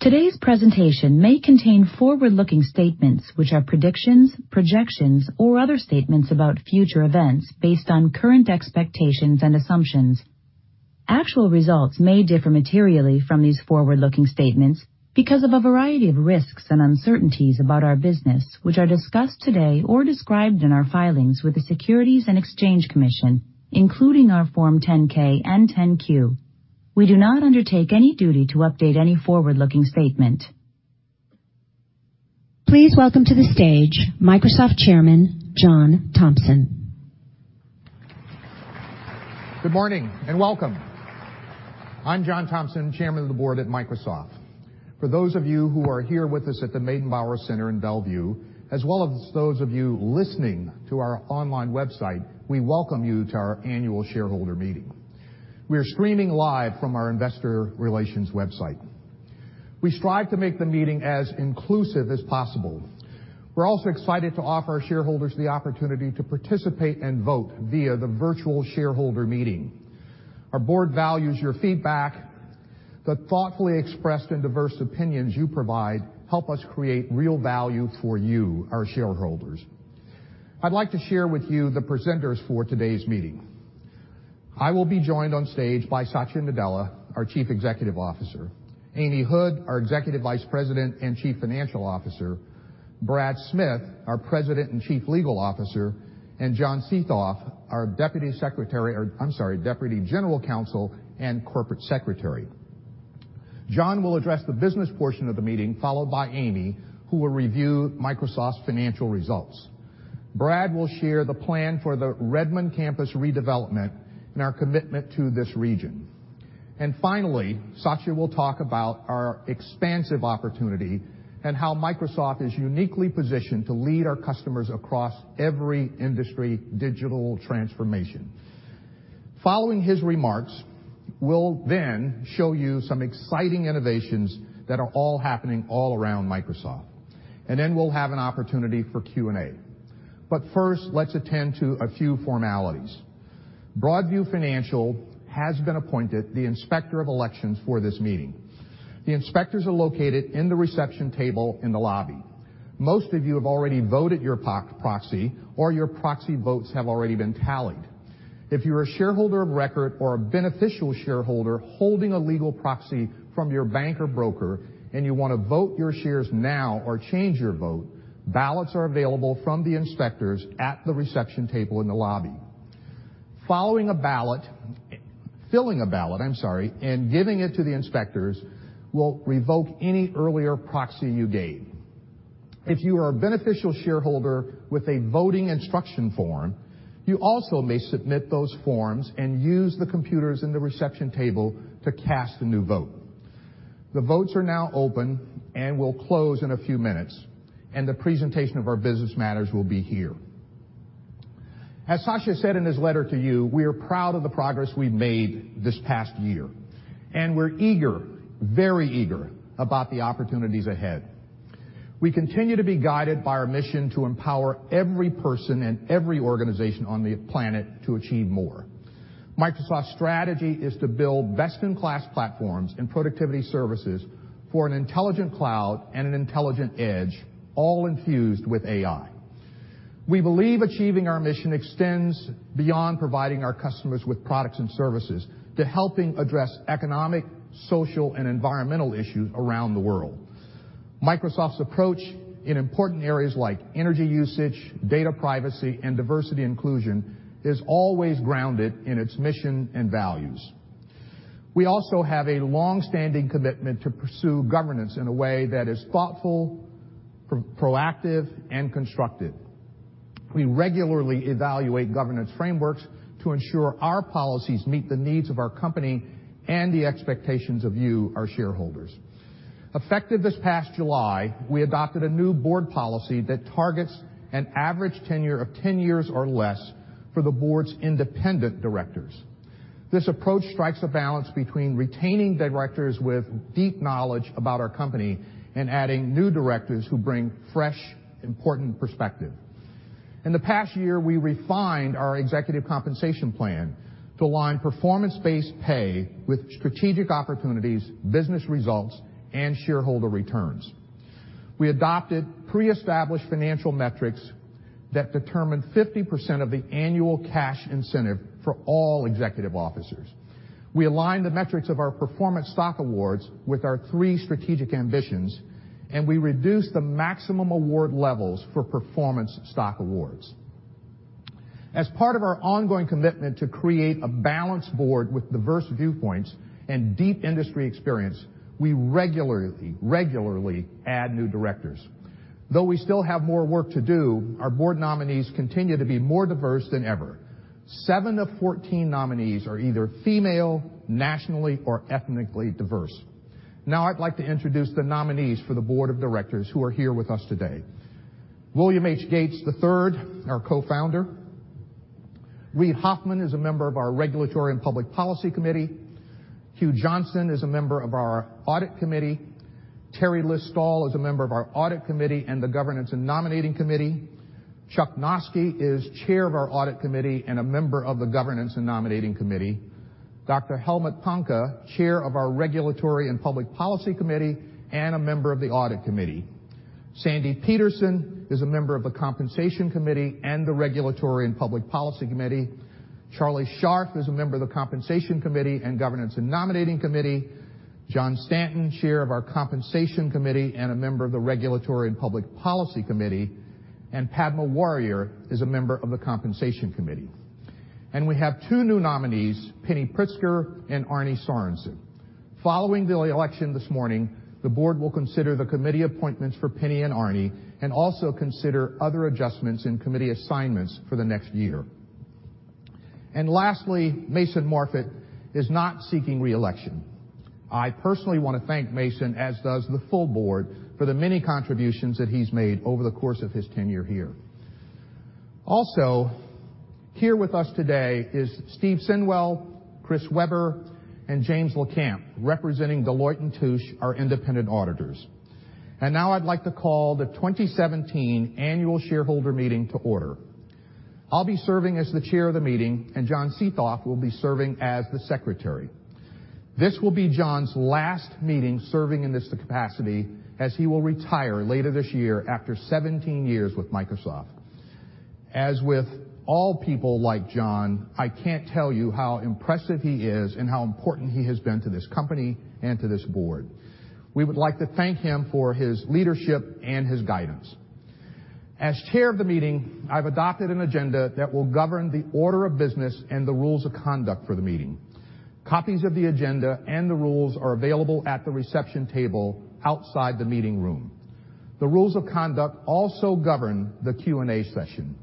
Today's presentation may contain forward-looking statements, which are predictions, projections, or other statements about future events based on current expectations and assumptions. Actual results may differ materially from these forward-looking statements because of a variety of risks and uncertainties about our business, which are discussed today or described in our filings with the Securities and Exchange Commission, including our Form 10-K and Form 10-Q. We do not undertake any duty to update any forward-looking statement. Please welcome to the stage Microsoft Chairman, John Thompson. Good morning and welcome. I'm John Thompson, Chairman of the Board at Microsoft. For those of you who are here with us at the Meydenbauer Center in Bellevue, as well as those of you listening to our online website, we welcome you to our annual shareholder meeting. We are streaming live from our investor relations website. We strive to make the meeting as inclusive as possible. We're also excited to offer our shareholders the opportunity to participate and vote via the virtual shareholder meeting. Our board values your feedback. The thoughtfully expressed and diverse opinions you provide help us create real value for you, our shareholders. I'd like to share with you the presenters for today's meeting. I will be joined on stage by Satya Nadella, our Chief Executive Officer, Amy Hood, our Executive Vice President and Chief Financial Officer, Brad Smith, our President and Chief Legal Officer, and John Seethoff, our Deputy General Counsel and Corporate Secretary. John will address the business portion of the meeting, followed by Amy, who will review Microsoft's financial results. Brad will share the plan for the Redmond campus redevelopment and our commitment to this region. Finally, Satya will talk about our expansive opportunity and how Microsoft is uniquely positioned to lead our customers across every industry digital transformation. Following his remarks, we'll then show you some exciting innovations that are all happening all around Microsoft. Then we'll have an opportunity for Q&A. But first, let's attend to a few formalities. Broadridge Financial has been appointed the Inspector of Elections for this meeting. The inspectors are located in the reception table in the lobby. Most of you have already voted your proxy, or your proxy votes have already been tallied. If you're a shareholder of record or a beneficial shareholder holding a legal proxy from your bank or broker and you want to vote your shares now or change your vote, ballots are available from the inspectors at the reception table in the lobby. Filling a ballot and giving it to the inspectors will revoke any earlier proxy you gave. If you are a beneficial shareholder with a voting instruction form, you also may submit those forms and use the computers in the reception table to cast a new vote. The votes are now open and will close in a few minutes. The presentation of our business matters will be here. As Satya said in his letter to you, we are proud of the progress we've made this past year, and we're eager, very eager about the opportunities ahead. We continue to be guided by our mission to empower every person and every organization on the planet to achieve more. Microsoft's strategy is to build best-in-class platforms and productivity services for an intelligent cloud and an intelligent edge, all infused with AI. We believe achieving our mission extends beyond providing our customers with products and services to helping address economic, social, and environmental issues around the world. Microsoft's approach in important areas like energy usage, data privacy, and diversity inclusion is always grounded in its mission and values. We also have a longstanding commitment to pursue governance in a way that is thoughtful, proactive, and constructive. We regularly evaluate governance frameworks to ensure our policies meet the needs of our company and the expectations of you, our shareholders. Effective this past July, we adopted a new board policy that targets an average tenure of 10 years or less for the board's independent directors. This approach strikes a balance between retaining directors with deep knowledge about our company and adding new directors who bring fresh, important perspective. In the past year, we refined our executive compensation plan to align performance-based pay with strategic opportunities, business results, and shareholder returns. We adopted pre-established financial metrics that determine 50% of the annual cash incentive for all executive officers. We aligned the metrics of our performance stock awards with our three strategic ambitions, and we reduced the maximum award levels for performance stock awards. As part of our ongoing commitment to create a balanced board with diverse viewpoints and deep industry experience, we regularly add new directors. Though we still have more work to do, our board nominees continue to be more diverse than ever. Seven of 14 nominees are either female, nationally, or ethnically diverse. I'd like to introduce the nominees for the board of directors who are here with us today. William H. Gates III, our co-founder. Reid Hoffman is a member of our Regulatory and Public Policy Committee. Hugh Johnston is a member of our Audit Committee. Teri List-Stoll is a member of our Audit Committee and the Governance and Nominating Committee. Chuck Noski is Chair of our Audit Committee and a member of the Governance and Nominating Committee. Dr. Helmut Panke, Chair of our Regulatory and Public Policy Committee and a member of the Audit Committee. Sandy Peterson is a member of the Compensation Committee and the Regulatory and Public Policy Committee. Charlie Scharf is a member of the Compensation Committee and Governance and Nominating Committee. John Stanton, Chair of our Compensation Committee and a member of the Regulatory and Public Policy Committee. Padma Warrior is a member of the Compensation Committee. We have two new nominees, Penny Pritzker and Arne Sorenson. Following the election this morning, the board will consider the committee appointments for Penny and Arne and also consider other adjustments in committee assignments for the next year. Lastly, Mason Morfit is not seeking reelection. I personally want to thank Mason, as does the full board, for the many contributions that he's made over the course of his tenure here. Also, here with us today is Steve Sinwell, Chris Weber, and James Lecamp representing Deloitte & Touche, our independent auditors. Now I'd like to call the 2017 annual shareholder meeting to order. I'll be serving as the chair of the meeting, and John Seethoff will be serving as the secretary. This will be John's last meeting serving in this capacity, as he will retire later this year after 17 years with Microsoft. As with all people like John, I can't tell you how impressive he is and how important he has been to this company and to this board. We would like to thank him for his leadership and his guidance. As chair of the meeting, I've adopted an agenda that will govern the order of business and the rules of conduct for the meeting. Copies of the agenda and the rules are available at the reception table outside the meeting room. The rules of conduct also govern the Q&A session.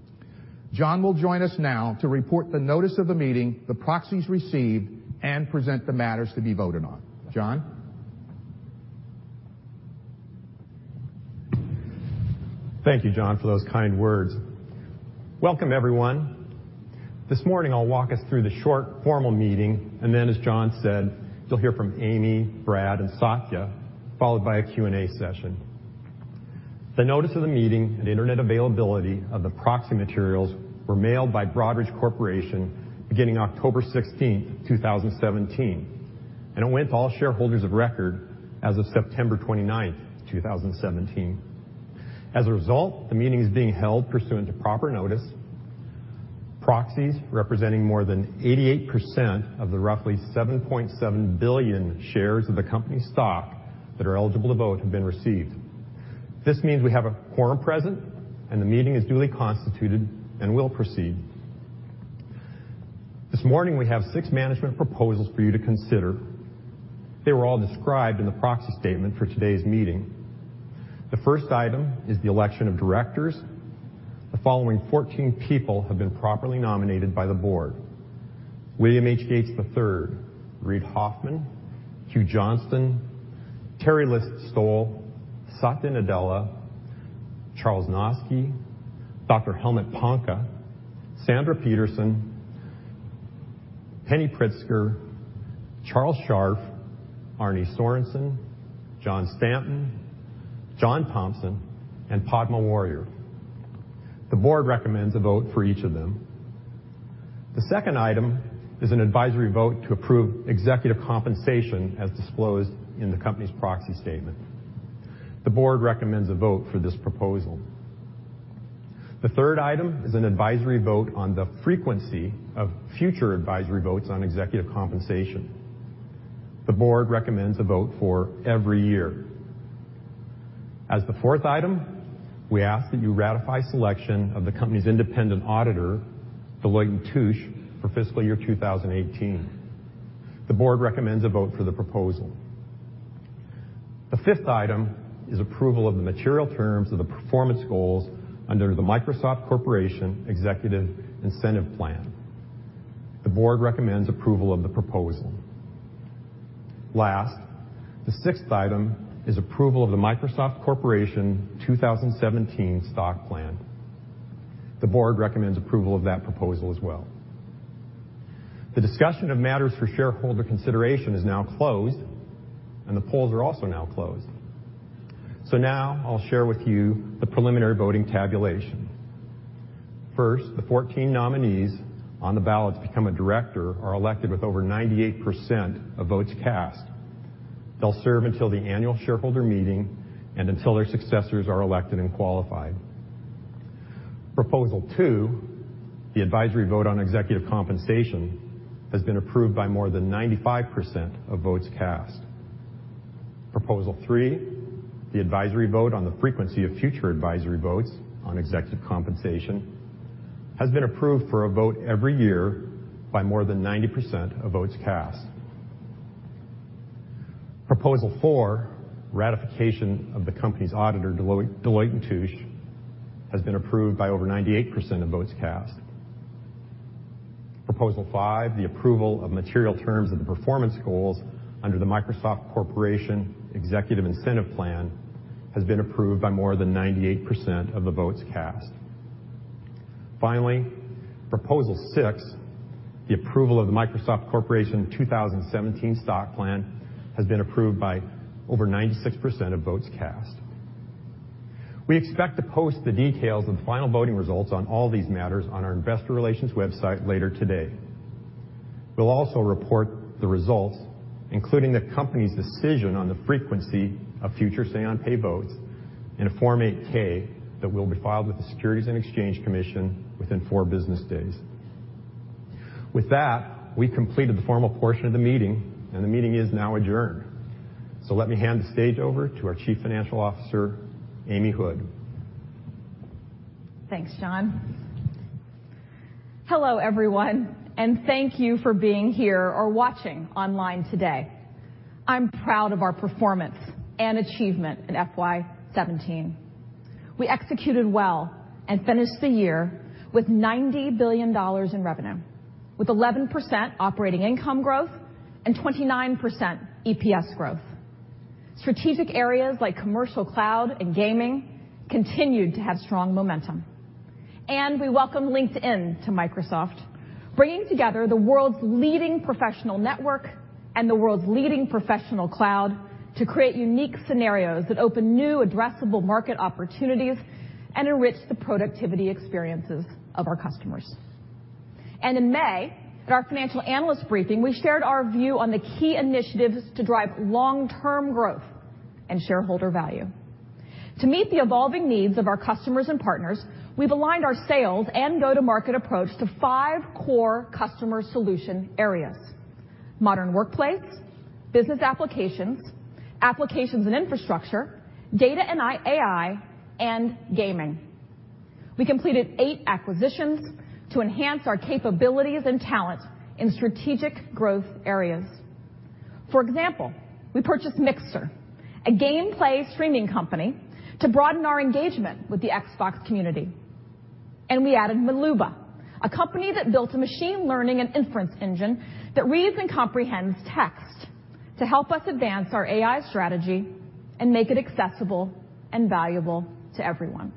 John will join us now to report the notice of the meeting, the proxies received, and present the matters to be voted on. John? Thank you, John, for those kind words. Welcome, everyone. This morning, I'll walk us through the short formal meeting, then, as John said, you'll hear from Amy, Brad, and Satya, followed by a Q&A session. The notice of the meeting and internet availability of the proxy materials were mailed by Broadridge Corporation beginning October 16th, 2017, and it went to all shareholders of record as of September 29th, 2017. As a result, the meeting is being held pursuant to proper notice. Proxies representing more than 88% of the roughly 7.7 billion shares of the company stock that are eligible to vote have been received. This means we have a quorum present, and the meeting is duly constituted and will proceed. This morning, we have six management proposals for you to consider. They were all described in the proxy statement for today's meeting. The first item is the election of directors. The following 14 people have been properly nominated by the board: William H. Gates III, Reid Hoffman, Hugh Johnston, Teri List-Stoll, Satya Nadella, Charles Noski, Dr. Helmut Panke, Sandra Peterson, Penny Pritzker, Charles Scharf, Arne Sorenson, John Stanton, John Thompson, and Padma Warrier. The board recommends a vote for each of them. The second item is an advisory vote to approve executive compensation as disclosed in the company's proxy statement. The board recommends a vote for this proposal. The third item is an advisory vote on the frequency of future advisory votes on executive compensation. The board recommends a vote for every year. As the fourth item, we ask that you ratify selection of the company's independent auditor, Deloitte & Touche, for fiscal year 2018. The board recommends a vote for the proposal. The fifth item is approval of the material terms of the performance goals under the Microsoft Corporation Executive Incentive Plan. The board recommends approval of the proposal. Last, the sixth item is approval of the Microsoft Corporation 2017 Stock Plan. The board recommends approval of that proposal as well. The discussion of matters for shareholder consideration is now closed, and the polls are also now closed. Now I'll share with you the preliminary voting tabulation. First, the 14 nominees on the ballot to become a director are elected with over 98% of votes cast. They'll serve until the annual shareholder meeting and until their successors are elected and qualified. Proposal two, the advisory vote on executive compensation, has been approved by more than 95% of votes cast. Proposal three, the advisory vote on the frequency of future advisory votes on executive compensation, has been approved for a vote every year by more than 90% of votes cast. Proposal four, ratification of the company's auditor, Deloitte & Touche, has been approved by over 98% of votes cast. Proposal five, the approval of material terms of the performance goals under the Microsoft Corporation Executive Incentive Plan, has been approved by more than 98% of the votes cast. Finally, Proposal six, the approval of the Microsoft Corporation 2017 Stock Plan has been approved by over 96% of votes cast. We expect to post the details of the final voting results on all these matters on our investor relations website later today. We'll also report the results, including the company's decision on the frequency of future say-on-pay votes in a Form 8-K that will be filed with the Securities and Exchange Commission within four business days. With that, we completed the formal portion of the meeting, and the meeting is now adjourned. Let me hand the stage over to our Chief Financial Officer, Amy Hood. Thanks, John. Hello, everyone, and thank you for being here or watching online today. I'm proud of our performance and achievement in FY 2017. We executed well and finished the year with $90 billion in revenue, with 11% operating income growth and 29% EPS growth. Strategic areas like commercial cloud and gaming continued to have strong momentum. We welcome LinkedIn to Microsoft, bringing together the world's leading professional network and the world's leading professional cloud to create unique scenarios that open new addressable market opportunities and enrich the productivity experiences of our customers. In May, at our financial analyst briefing, we shared our view on the key initiatives to drive long-term growth and shareholder value. To meet the evolving needs of our customers and partners, we've aligned our sales and go-to-market approach to five core customer solution areas: modern workplace, business applications and infrastructure, data and AI, and gaming. We completed eight acquisitions to enhance our capabilities and talents in strategic growth areas. For example, we purchased Mixer, a gameplay streaming company, to broaden our engagement with the Xbox community. We added Maluuba, a company that built a machine learning and inference engine that reads and comprehends text to help us advance our AI strategy and make it accessible and valuable to everyone.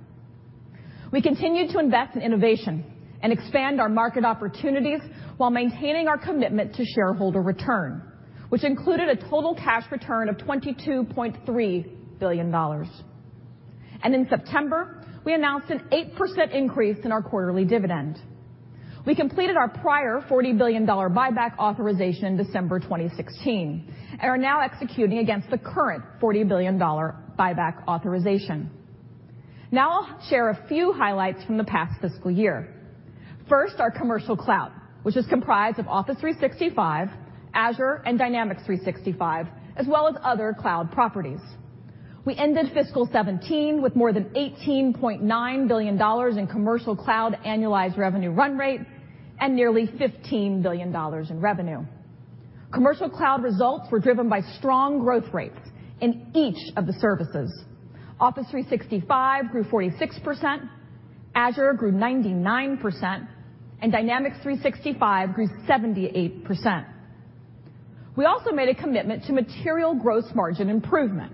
We continue to invest in innovation and expand our market opportunities while maintaining our commitment to shareholder return, which included a total cash return of $22.3 billion. In September, we announced an 8% increase in our quarterly dividend. We completed our prior $40 billion buyback authorization in December 2016, and are now executing against the current $40 billion buyback authorization. Now I'll share a few highlights from the past fiscal year. First, our commercial cloud, which is comprised of Office 365, Azure, and Dynamics 365, as well as other cloud properties. We ended fiscal 2017 with more than $18.9 billion in commercial cloud annualized revenue run rate and nearly $15 billion in revenue. Commercial cloud results were driven by strong growth rates in each of the services. Office 365 grew 46%, Azure grew 99%, and Dynamics 365 grew 78%. We also made a commitment to material gross margin improvement,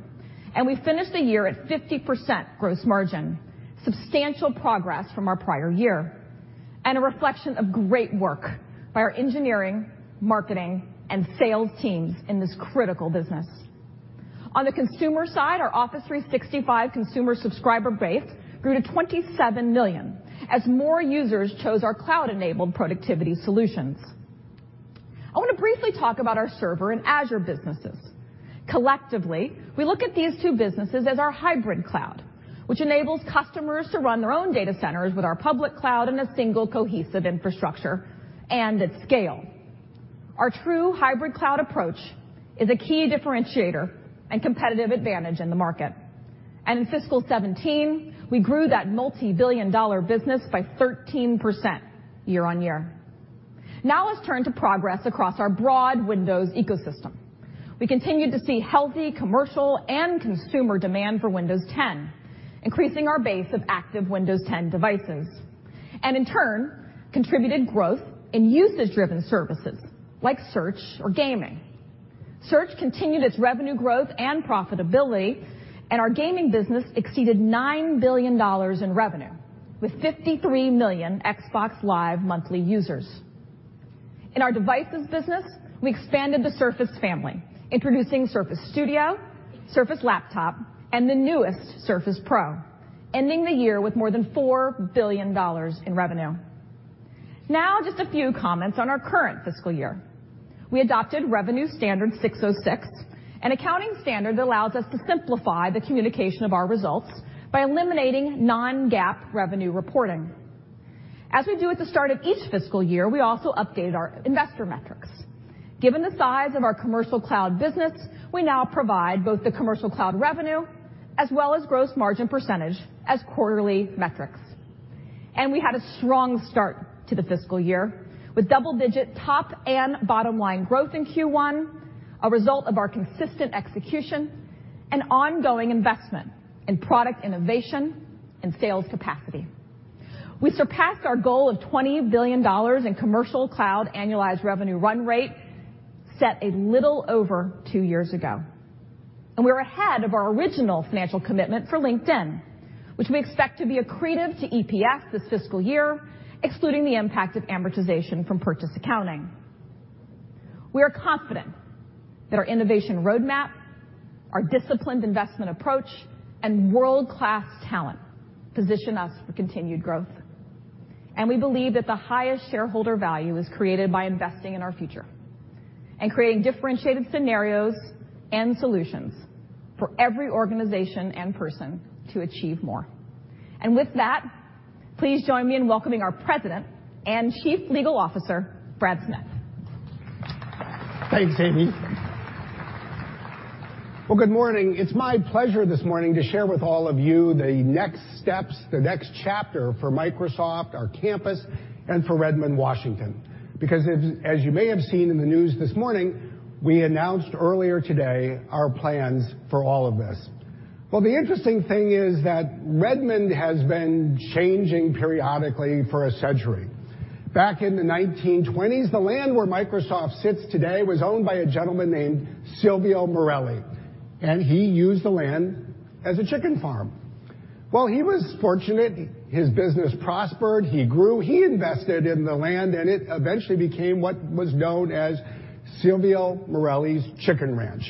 and we finished the year at 50% gross margin, substantial progress from our prior year, and a reflection of great work by our engineering, marketing, and sales teams in this critical business. On the consumer side, our Office 365 consumer subscriber base grew to 27 million as more users chose our cloud-enabled productivity solutions. I want to briefly talk about our server and Azure businesses. Collectively, we look at these two businesses as our hybrid cloud, which enables customers to run their own data centers with our public cloud in a single cohesive infrastructure and at scale. Our true hybrid cloud approach is a key differentiator and competitive advantage in the market. In fiscal 2017, we grew that multibillion-dollar business by 13% year-over-year. Now let's turn to progress across our broad Windows ecosystem. We continued to see healthy commercial and consumer demand for Windows 10, increasing our base of active Windows 10 devices, and in turn, contributed growth in usage-driven services like search or gaming. Search continued its revenue growth and profitability. Our gaming business exceeded $9 billion in revenue, with 53 million Xbox Live monthly users. In our devices business, we expanded the Surface family, introducing Surface Studio, Surface Laptop, and the newest Surface Pro, ending the year with more than $4 billion in revenue. Now just a few comments on our current fiscal year. We adopted Revenue Standard 606, an accounting standard that allows us to simplify the communication of our results by eliminating non-GAAP revenue reporting. As we do at the start of each fiscal year, we also updated our investor metrics. Given the size of our commercial cloud business, we now provide both the commercial cloud revenue as well as gross margin percentage as quarterly metrics. We had a strong start to the fiscal year, with double-digit top and bottom-line growth in Q1, a result of our consistent execution and ongoing investment in product innovation and sales capacity. We surpassed our goal of $20 billion in commercial cloud annualized revenue run rate set a little over 2 years ago. We're ahead of our original financial commitment for LinkedIn, which we expect to be accretive to EPS this fiscal year, excluding the impact of amortization from purchase accounting. We are confident that our innovation roadmap, our disciplined investment approach, and world-class talent position us for continued growth. We believe that the highest shareholder value is created by investing in our future and creating differentiated scenarios and solutions for every organization and person to achieve more. With that, please join me in welcoming our President and Chief Legal Officer, Brad Smith. Thanks, Amy. Well, good morning. It's my pleasure this morning to share with all of you the next steps, the next chapter for Microsoft, our campus, and for Redmond, Washington. As you may have seen in the news this morning, we announced earlier today our plans for all of this. Well, the interesting thing is that Redmond has been changing periodically for a century. Back in the 1920s, the land where Microsoft sits today was owned by a gentleman named Silvio Morelli, and he used the land as a chicken farm. Well, he was fortunate. His business prospered. He grew. He invested in the land, and it eventually became what was known as Silvio Morelli's Chicken Ranch.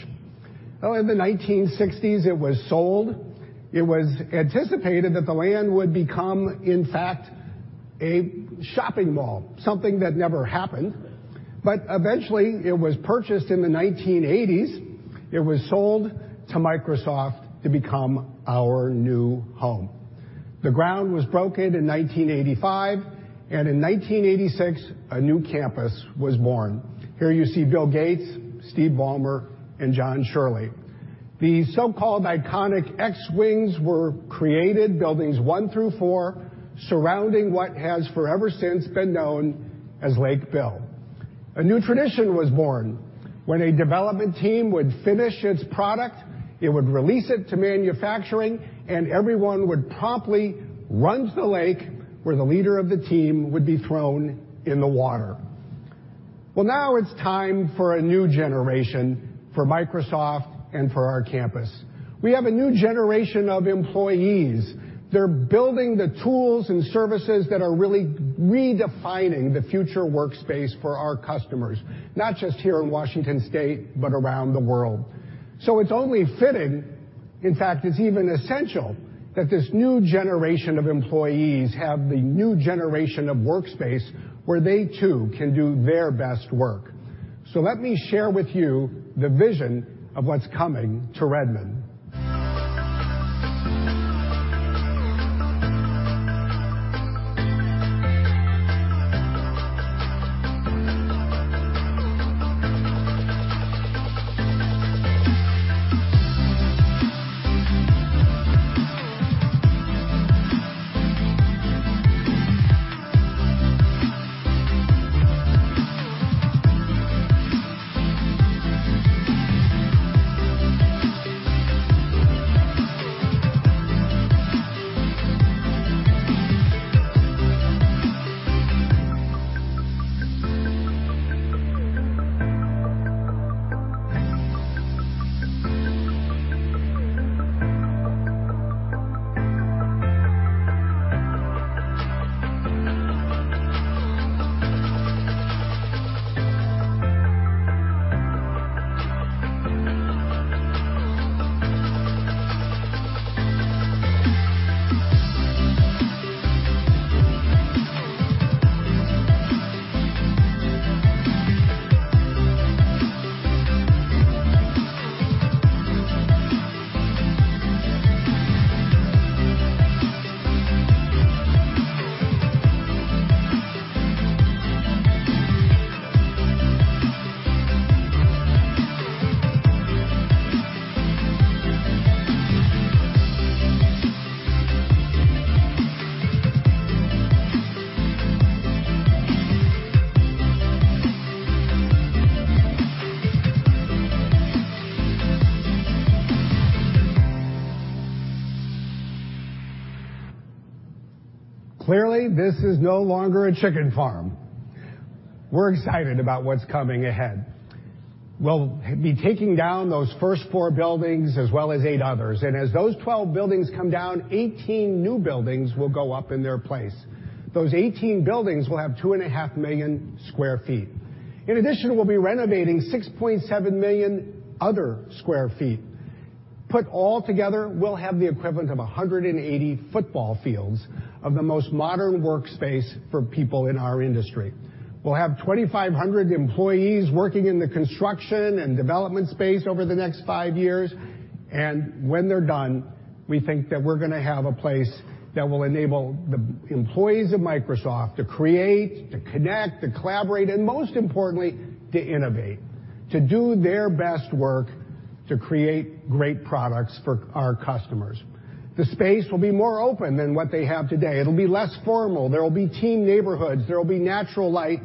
Well, in the 1960s, it was sold. It was anticipated that the land would become, in fact, a shopping mall, something that never happened. Eventually, it was purchased in the 1980s. It was sold to Microsoft to become our new home. The ground was broken in 1985. In 1986, a new campus was born. Here you see Bill Gates, Steve Ballmer, and Jon Shirley. The so-called iconic X-wings were created, buildings one through four, surrounding what has forever since been known as Lake Bill. A new tradition was born. When a development team would finish its product, it would release it to manufacturing, and everyone would promptly run to the lake where the leader of the team would be thrown in the water. Well, now it's time for a new generation for Microsoft and for our campus. We have a new generation of employees. They're building the tools and services that are really redefining the future workspace for our customers, not just here in Washington State, but around the world. It's only fitting, in fact, it's even essential, that this new generation of employees have the new generation of workspace where they too can do their best work. Let me share with you the vision of what's coming to Redmond. Clearly, this is no longer a chicken farm. We're excited about what's coming ahead. We'll be taking down those first four buildings as well as eight others. As those 12 buildings come down, 18 new buildings will go up in their place. Those 18 buildings will have 2.5 million square feet. In addition, we'll be renovating 6.7 million other square feet. Put all together, we'll have the equivalent of 180 football fields of the most modern workspace for people in our industry. We'll have 2,500 employees working in the construction and development space over the next five years. When they're done, we think that we're going to have a place that will enable the employees of Microsoft to create, to connect, to collaborate, and most importantly, to innovate, to do their best work, to create great products for our customers. The space will be more open than what they have today. It'll be less formal. There will be team neighborhoods. There will be natural light.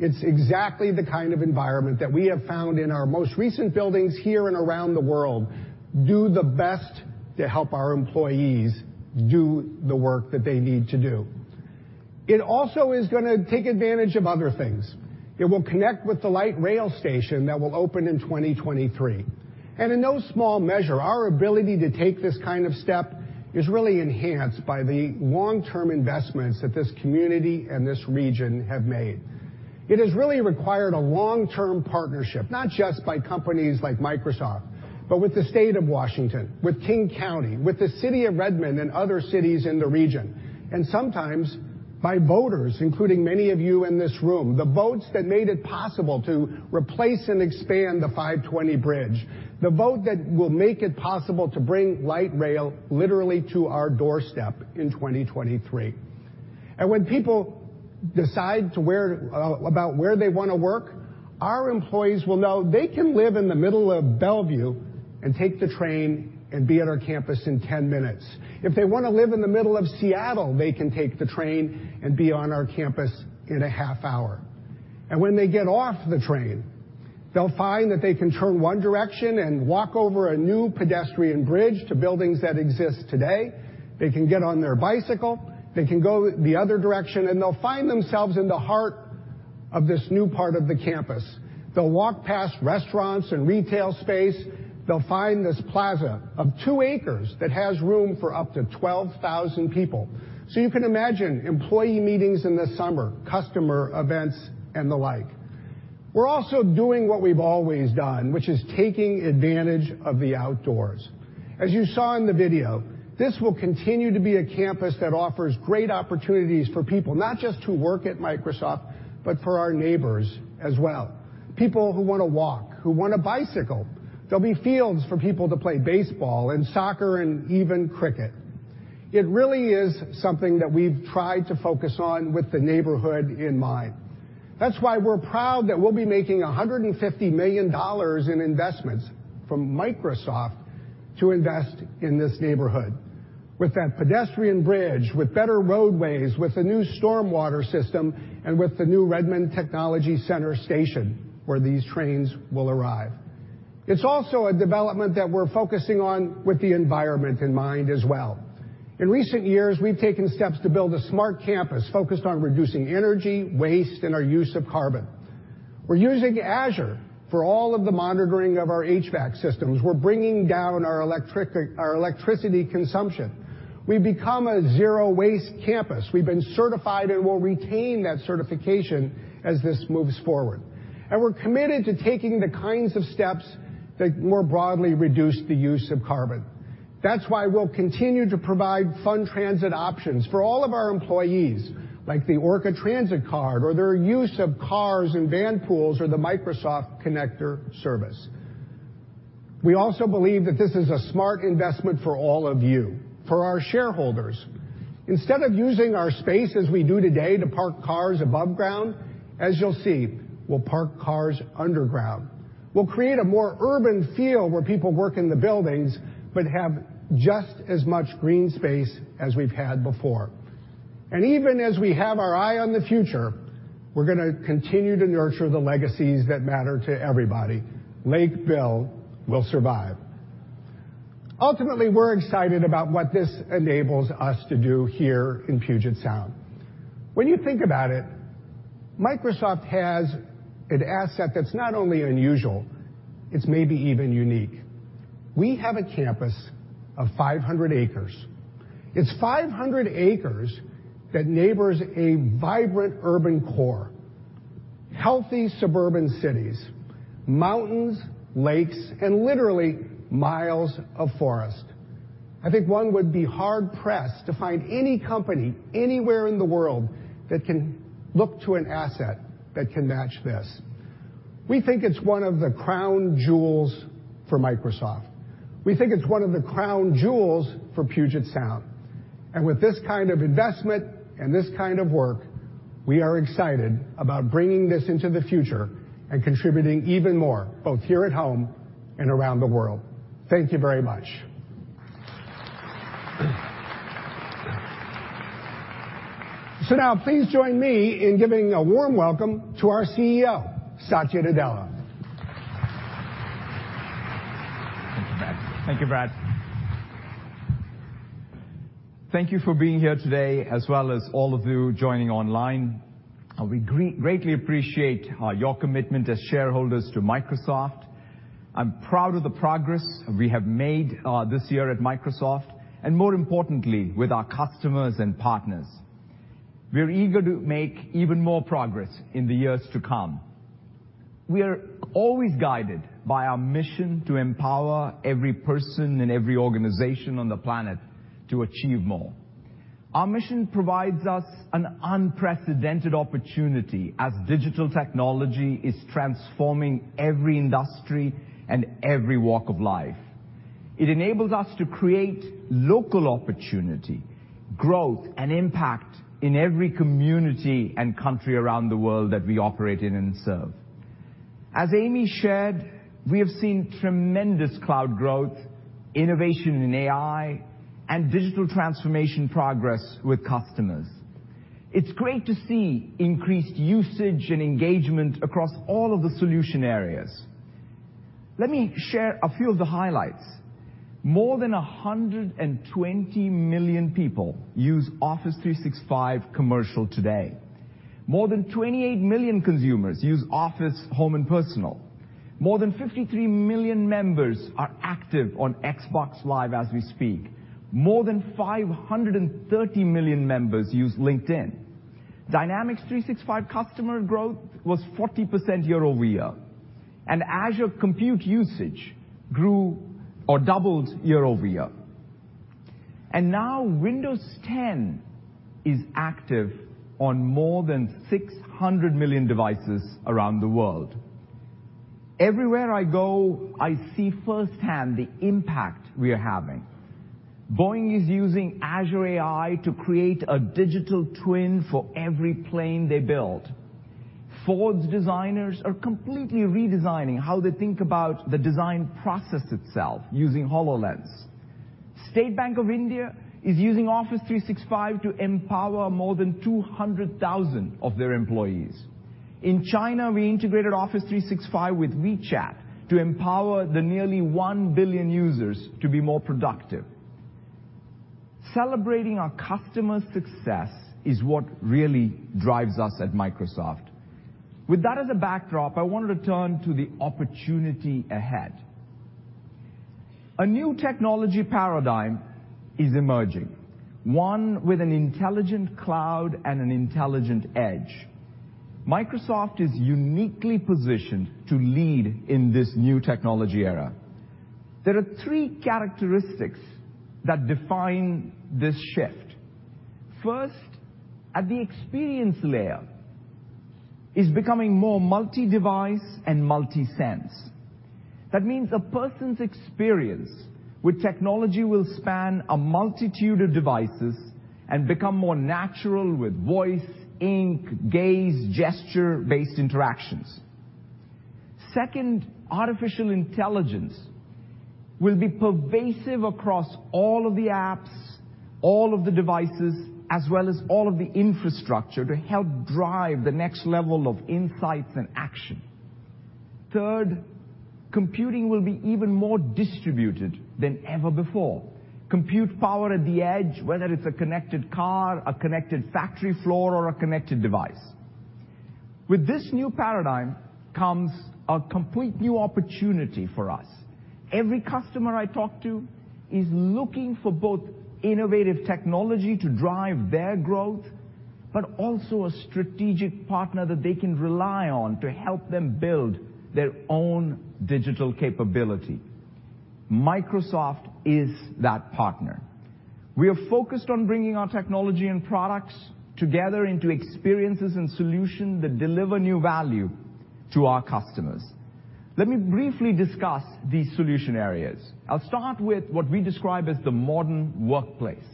It's exactly the kind of environment that we have found in our most recent buildings here and around the world do the best to help our employees do the work that they need to do. It also is going to take advantage of other things. It will connect with the light rail station that will open in 2023. In no small measure, our ability to take this kind of step is really enhanced by the long-term investments that this community and this region have made. It has really required a long-term partnership, not just by companies like Microsoft, but with the state of Washington, with King County, with the city of Redmond, and other cities in the region, and sometimes by voters, including many of you in this room. The votes that made it possible to replace and expand the 520 bridge, the vote that will make it possible to bring light rail literally to our doorstep in 2023. When people decide about where they want to work, our employees will know they can live in the middle of Bellevue and take the train and be at our campus in 10 minutes. If they want to live in the middle of Seattle, they can take the train and be on our campus in a half hour. When they get off the train, they'll find that they can turn one direction and walk over a new pedestrian bridge to buildings that exist today. They can get on their bicycle, they can go the other direction, and they'll find themselves in the heart of this new part of the campus. They'll walk past restaurants and retail space. They'll find this plaza of two acres that has room for up to 12,000 people. You can imagine employee meetings in the summer, customer events, and the like. We're also doing what we've always done, which is taking advantage of the outdoors. As you saw in the video, this will continue to be a campus that offers great opportunities for people, not just to work at Microsoft, but for our neighbors as well, people who want to walk, who want to bicycle. There'll be fields for people to play baseball and soccer and even cricket. It really is something that we've tried to focus on with the neighborhood in mind. That's why we're proud that we'll be making $150 million in investments from Microsoft to invest in this neighborhood. With that pedestrian bridge, with better roadways, with the new stormwater system, and with the new Redmond Technology Center station, where these trains will arrive. It's also a development that we're focusing on with the environment in mind as well. In recent years, we've taken steps to build a smart campus focused on reducing energy, waste, and our use of carbon. We're using Azure for all of the monitoring of our HVAC systems. We're bringing down our electricity consumption. We've become a zero-waste campus. We've been certified and will retain that certification as this moves forward. We're committed to taking the kinds of steps that more broadly reduce the use of carbon. That's why we'll continue to provide fun transit options for all of our employees, like the ORCA transit card or their use of cars and van pools or the Microsoft Connector service. We also believe that this is a smart investment for all of you, for our shareholders. Instead of using our space as we do today to park cars above ground, as you'll see, we'll park cars underground. We'll create a more urban feel where people work in the buildings but have just as much green space as we've had before. Even as we have our eye on the future, we're going to continue to nurture the legacies that matter to everybody. Lake Bill will survive. Ultimately, we're excited about what this enables us to do here in Puget Sound. When you think about it, Microsoft has an asset that's not only unusual, it's maybe even unique. We have a campus of 500 acres. It's 500 acres that neighbors a vibrant urban core, healthy suburban cities, mountains, lakes, and literally miles of forest. I think one would be hard-pressed to find any company anywhere in the world that can look to an asset that can match this. We think it's one of the crown jewels for Microsoft. We think it's one of the crown jewels for Puget Sound. With this kind of investment and this kind of work, we are excited about bringing this into the future and contributing even more, both here at home and around the world. Thank you very much. Now please join me in giving a warm welcome to our CEO, Satya Nadella. Thank you, Brad. Thank you for being here today, as well as all of you joining online. We greatly appreciate your commitment as shareholders to Microsoft. I'm proud of the progress we have made this year at Microsoft, and more importantly, with our customers and partners. We're eager to make even more progress in the years to come. We are always guided by our mission to empower every person and every organization on the planet to achieve more. Our mission provides us an unprecedented opportunity as digital technology is transforming every industry and every walk of life. It enables us to create local opportunity, growth, and impact in every community and country around the world that we operate in and serve. As Amy shared, we have seen tremendous cloud growth, innovation in AI, and digital transformation progress with customers. It's great to see increased usage and engagement across all of the solution areas. Let me share a few of the highlights. More than 120 million people use Office 365 Commercial today. More than 28 million consumers use Office Home and Personal. More than 53 million members are active on Xbox Live as we speak. More than 530 million members use LinkedIn. Dynamics 365 customer growth was 40% year-over-year. Azure compute usage grew or doubled year-over-year. Now Windows 10 is active on more than 600 million devices around the world. Everywhere I go, I see firsthand the impact we are having. Boeing is using Azure AI to create a digital twin for every plane they build. Ford's designers are completely redesigning how they think about the design process itself using HoloLens. State Bank of India is using Office 365 to empower more than 200,000 of their employees. In China, we integrated Office 365 with WeChat to empower the nearly 1 billion users to be more productive. Celebrating our customers' success is what really drives us at Microsoft. With that as a backdrop, I want to turn to the opportunity ahead. A new technology paradigm is emerging, one with an intelligent cloud and an intelligent edge. Microsoft is uniquely positioned to lead in this new technology era. There are three characteristics that define this shift. First, at the experience layer is becoming more multi-device and multi-sense. That means a person's experience with technology will span a multitude of devices and become more natural with voice, ink, gaze, gesture-based interactions. Second, artificial intelligence will be pervasive across all of the apps, all of the devices, as well as all of the infrastructure to help drive the next level of insights and action. Third, computing will be even more distributed than ever before. Compute power at the edge, whether it's a connected car, a connected factory floor, or a connected device. With this new paradigm comes a complete new opportunity for us. Every customer I talk to is looking for both innovative technology to drive their growth, but also a strategic partner that they can rely on to help them build their own digital capability. Microsoft is that partner. We are focused on bringing our technology and products together into experiences and solution that deliver new value to our customers. Let me briefly discuss these solution areas. I'll start with what we describe as the modern workplace.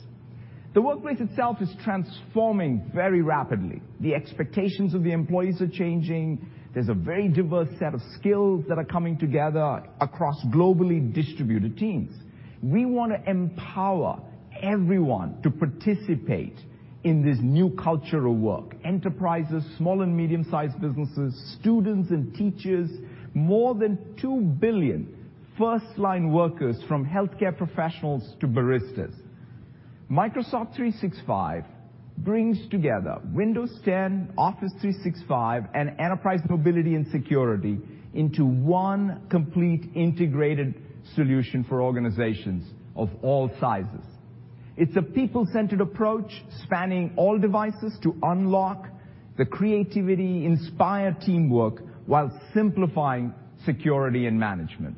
The workplace itself is transforming very rapidly. The expectations of the employees are changing. There's a very diverse set of skills that are coming together across globally distributed teams. We want to empower everyone to participate in this new culture of work, enterprises, small and medium-sized businesses, students and teachers, more than 2 billion first-line workers from healthcare professionals to baristas. Microsoft 365 brings together Windows 10, Office 365, and Enterprise Mobility + Security into one complete integrated solution for organizations of all sizes. It's a people-centered approach spanning all devices to unlock the creativity, inspire teamwork, while simplifying security and management.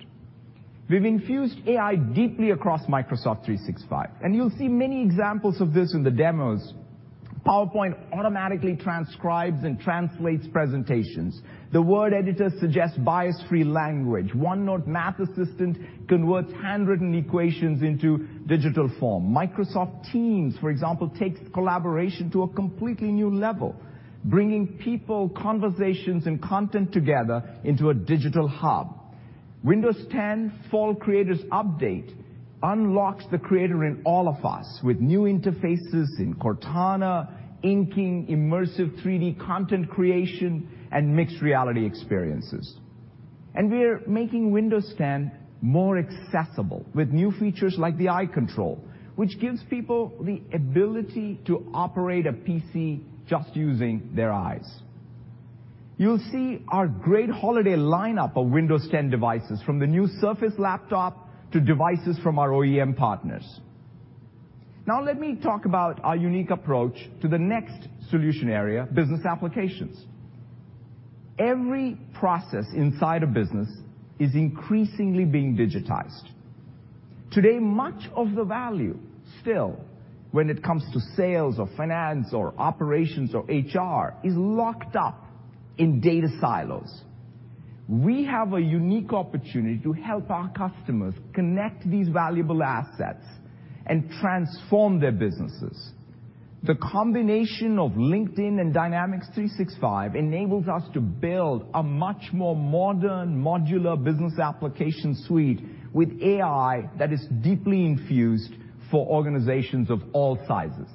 We've infused AI deeply across Microsoft 365. You'll see many examples of this in the demos. PowerPoint automatically transcribes and translates presentations. The Word editor suggests bias-free language. OneNote Math Assistant converts handwritten equations into digital form. Microsoft Teams, for example, takes collaboration to a completely new level, bringing people, conversations, and content together into a digital hub. Windows 10 Fall Creators Update unlocks the creator in all of us with new interfaces in Cortana, inking, immersive 3D content creation, and mixed reality experiences. We're making Windows 10 more accessible with new features like the Eye Control, which gives people the ability to operate a PC just using their eyes. You'll see our great holiday lineup of Windows 10 devices, from the new Surface Laptop to devices from our OEM partners. Let me talk about our unique approach to the next solution area, business applications. Every process inside a business is increasingly being digitized. Today, much of the value still, when it comes to sales or finance or operations or HR, is locked up in data silos. We have a unique opportunity to help our customers connect these valuable assets and transform their businesses. The combination of LinkedIn and Dynamics 365 enables us to build a much more modern modular business application suite with AI that is deeply infused for organizations of all sizes.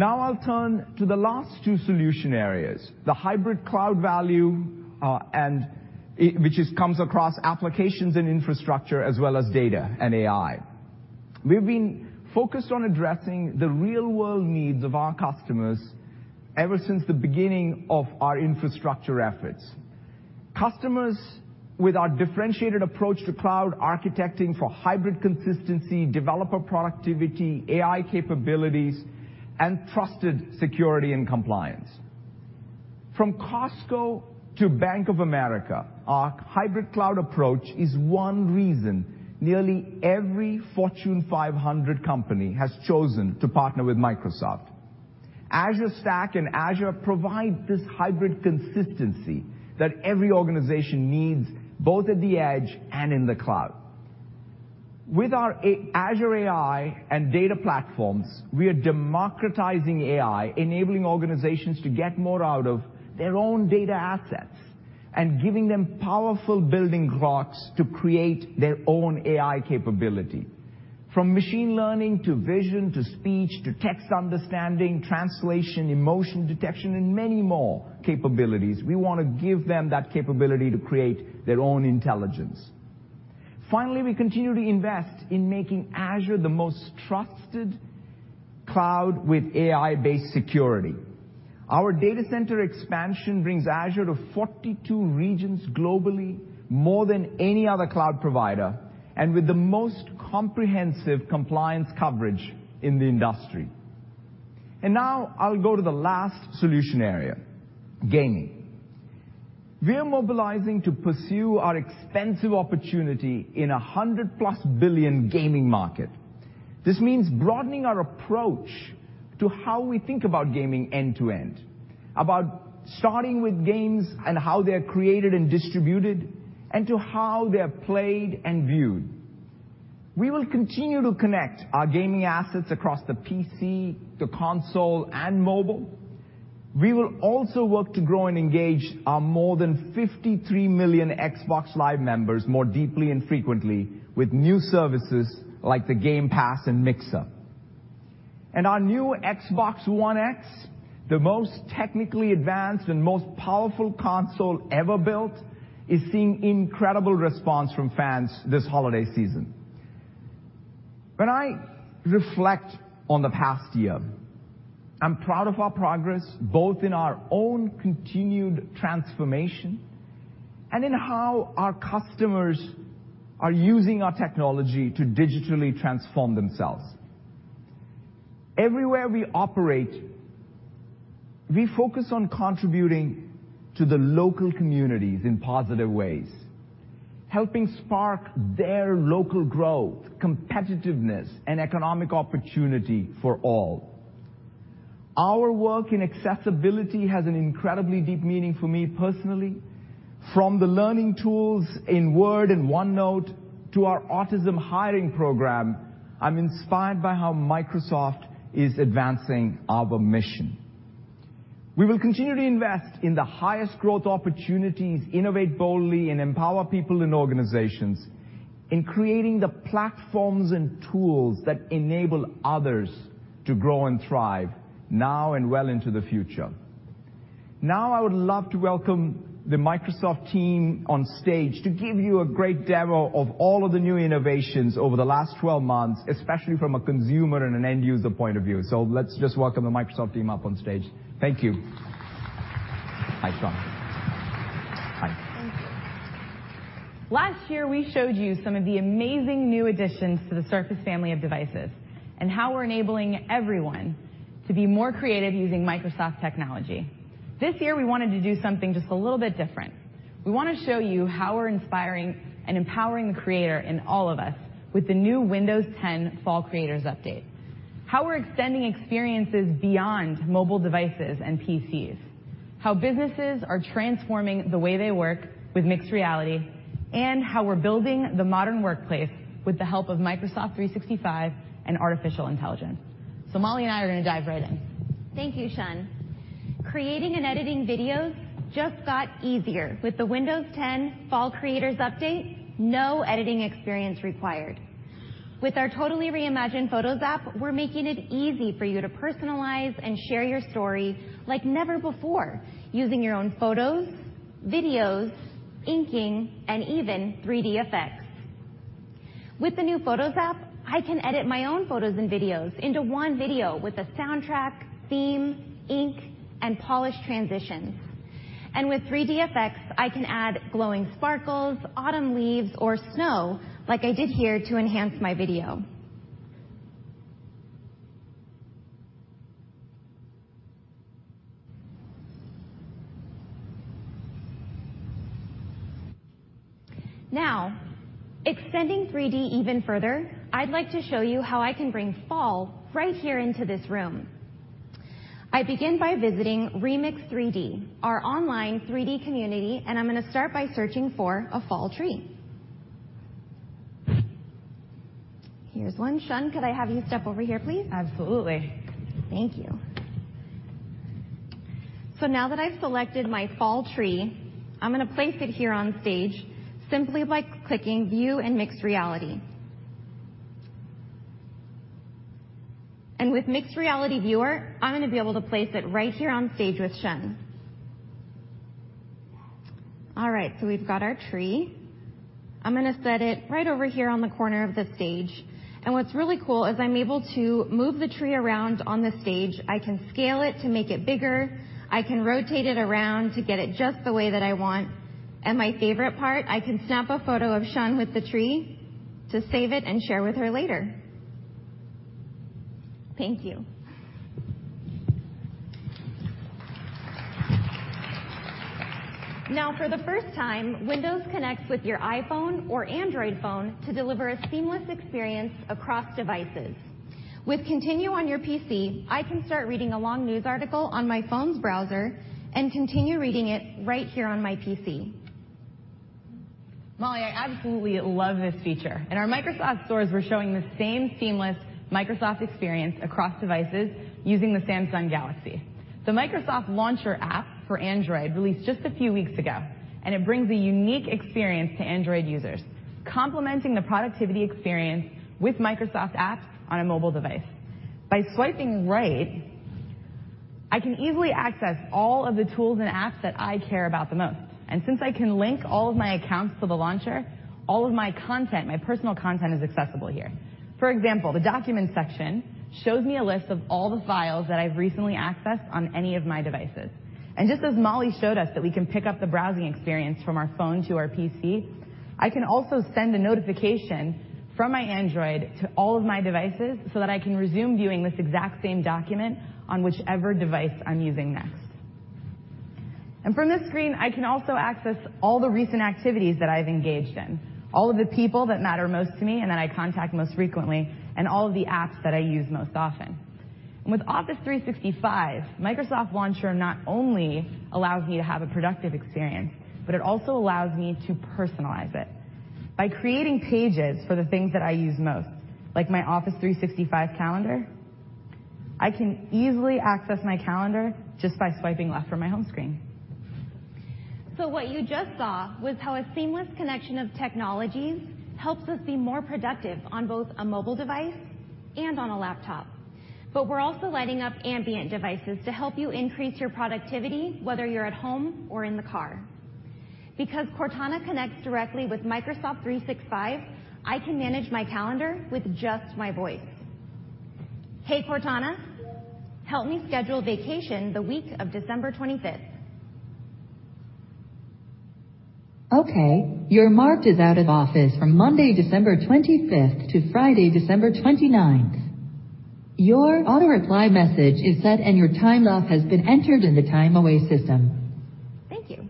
I'll turn to the last two solution areas, the hybrid cloud value, which comes across applications and infrastructure as well as data and AI. We've been focused on addressing the real-world needs of our customers ever since the beginning of our infrastructure efforts. Customers with our differentiated approach to cloud architecting for hybrid consistency, developer productivity, AI capabilities, and trusted security and compliance. From Costco to Bank of America, our hybrid cloud approach is one reason nearly every Fortune 500 company has chosen to partner with Microsoft. Azure Stack and Azure provide this hybrid consistency that every organization needs, both at the edge and in the cloud. With our Azure AI and data platforms, we are democratizing AI, enabling organizations to get more out of their own data assets and giving them powerful building blocks to create their own AI capability. From machine learning to vision to speech to text understanding, translation, emotion detection, and many more capabilities, we want to give them that capability to create their own intelligence. Finally, we continue to invest in making Azure the most trusted cloud with AI-based security. Our data center expansion brings Azure to 42 regions globally, more than any other cloud provider, and with the most comprehensive compliance coverage in the industry. Now I'll go to the last solution area, gaming. We are mobilizing to pursue our extensive opportunity in 100-plus billion gaming market. This means broadening our approach to how we think about gaming end-to-end, about starting with games and how they're created and distributed, and to how they're played and viewed. We will continue to connect our gaming assets across the PC, the console, and mobile. We will also work to grow and engage our more than 53 million Xbox Live members more deeply and frequently with new services like the Game Pass and Mixer. Our new Xbox One X, the most technically advanced and most powerful console ever built, is seeing incredible response from fans this holiday season. When I reflect on the past year, I'm proud of our progress, both in our own continued transformation and in how our customers are using our technology to digitally transform themselves. Everywhere we operate, we focus on contributing to the local communities in positive ways, helping spark their local growth, competitiveness, and economic opportunity for all. Our work in accessibility has an incredibly deep meaning for me personally. From the Learning Tools in Word and OneNote to our autism hiring program, I'm inspired by how Microsoft is advancing our mission. We will continue to invest in the highest growth opportunities, innovate boldly, and empower people and organizations in creating the platforms and tools that enable others to grow and thrive now and well into the future. I would love to welcome the Microsoft team on stage to give you a great demo of all of the new innovations over the last 12 months, especially from a consumer and an end-user point of view. Let's just welcome the Microsoft team up on stage. Thank you. Hi, Sean. Hi. Thank you. Last year, we showed you some of the amazing new additions to the Surface family of devices and how we're enabling everyone to be more creative using Microsoft technology. This year, we wanted to do something just a little bit different. We want to show you how we're inspiring and empowering the creator in all of us with the new Windows 10 Fall Creators Update, how we're extending experiences beyond mobile devices and PCs, how businesses are transforming the way they work with mixed reality, and how we're building the modern workplace with the help of Microsoft 365 and artificial intelligence. Molly and I are going to dive right in. Thank you, Sean. Creating and editing videos just got easier with the Windows 10 Fall Creators Update, no editing experience required. With our totally reimagined Photos app, we're making it easy for you to personalize and share your story like never before, using your own photos, videos, inking, and even 3D effects. With the new Photos app, I can edit my own photos and videos into one video with a soundtrack, theme, ink, and polished transitions. With 3D effects, I can add glowing sparkles, autumn leaves, or snow, like I did here, to enhance my video. Extending 3D even further, I'd like to show you how I can bring fall right here into this room. I begin by visiting Remix 3D, our online 3D community, and I'm going to start by searching for a fall tree. Here's one. Sean, could I have you step over here, please? Absolutely. Thank you. Now that I've selected my fall tree, I'm going to place it here on stage simply by clicking View in Mixed Reality. With Mixed Reality Viewer, I'm going to be able to place it right here on stage with Sean. All right, we've got our tree. I'm going to set it right over here on the corner of the stage. What's really cool is I'm able to move the tree around on the stage. I can scale it to make it bigger. I can rotate it around to get it just the way that I want. My favorite part, I can snap a photo of Sean with the tree to save it and share with her later. Thank you. For the first time, Windows connects with your iPhone or Android phone to deliver a seamless experience across devices. With Continue on PC, I can start reading a long news article on my phone's browser and continue reading it right here on my PC. Molly, I absolutely love this feature. In our Microsoft stores, we're showing the same seamless Microsoft experience across devices using the Samsung Galaxy. The Microsoft Launcher app for Android released just a few weeks ago, and it brings a unique experience to Android users, complementing the productivity experience with Microsoft apps on a mobile device. By swiping right, I can easily access all of the tools and apps that I care about the most. Since I can link all of my accounts for the launcher, all of my content, my personal content, is accessible here. For example, the Documents section shows me a list of all the files that I've recently accessed on any of my devices. Just as Molly showed us that we can pick up the browsing experience from our phone to our PC, I can also send a notification from my Android to all of my devices so that I can resume viewing this exact same document on whichever device I'm using next. From this screen, I can also access all the recent activities that I've engaged in, all of the people that matter most to me and that I contact most frequently, and all of the apps that I use most often. With Office 365, Microsoft Launcher not only allows me to have a productive experience, but it also allows me to personalize it. By creating pages for the things that I use most, like my Office 365 calendar, I can easily access my calendar just by swiping left from my home screen. What you just saw was how a seamless connection of technologies helps us be more productive on both a mobile device and on a laptop. We're also lighting up ambient devices to help you increase your productivity, whether you're at home or in the car. Cortana connects directly with Microsoft 365, I can manage my calendar with just my voice. Hey, Cortana, help me schedule vacation the week of December 25th. Okay. You're marked as out of office from Monday, December 25th to Friday, December 29th. Your auto-reply message is set, and your time off has been entered in the time away system. Thank you.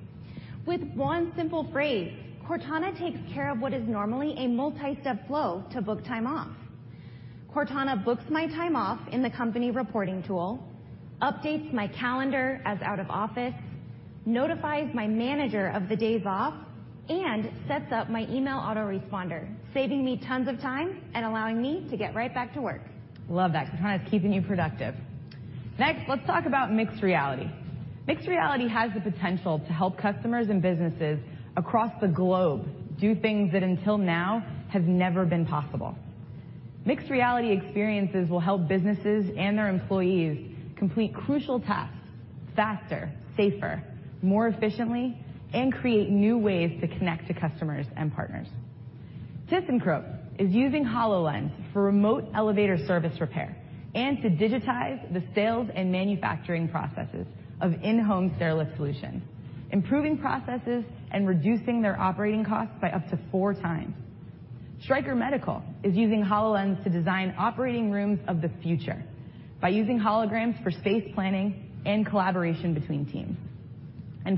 With one simple phrase, Cortana takes care of what is normally a multi-step flow to book time off. Cortana books my time off in the company reporting tool, updates my calendar as out of office, notifies my manager of the days off, and sets up my email autoresponder, saving me tons of time and allowing me to get right back to work. Love that. Cortana's keeping you productive. Let's talk about mixed reality. Mixed reality has the potential to help customers and businesses across the globe do things that until now have never been possible. Mixed reality experiences will help businesses and their employees complete crucial tasks faster, safer, more efficiently, and create new ways to connect to customers and partners. ThyssenKrupp is using HoloLens for remote elevator service repair and to digitize the sales and manufacturing processes of in-home stair lift solutions, improving processes and reducing their operating costs by up to four times. Stryker Medical is using HoloLens to design operating rooms of the future by using holograms for space planning and collaboration between teams.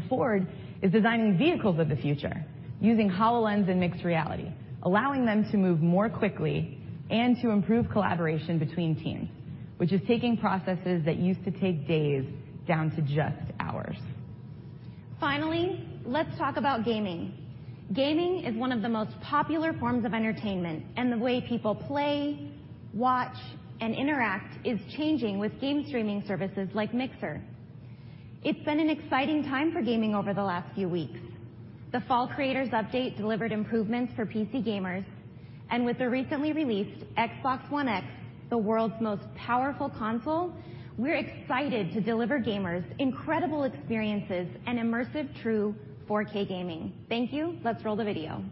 Ford is designing vehicles of the future using HoloLens and mixed reality, allowing them to move more quickly and to improve collaboration between teams, which is taking processes that used to take days down to just hours. Gaming is one of the most popular forms of entertainment, the way people play, watch, and interact is changing with game streaming services like Mixer. It's been an exciting time for gaming over the last few weeks. The Fall Creators Update delivered improvements for PC gamers. With the recently released Xbox One X, the world's most powerful console, we're excited to deliver gamers incredible experiences and immersive true 4K gaming. Thank you. Let's roll the video.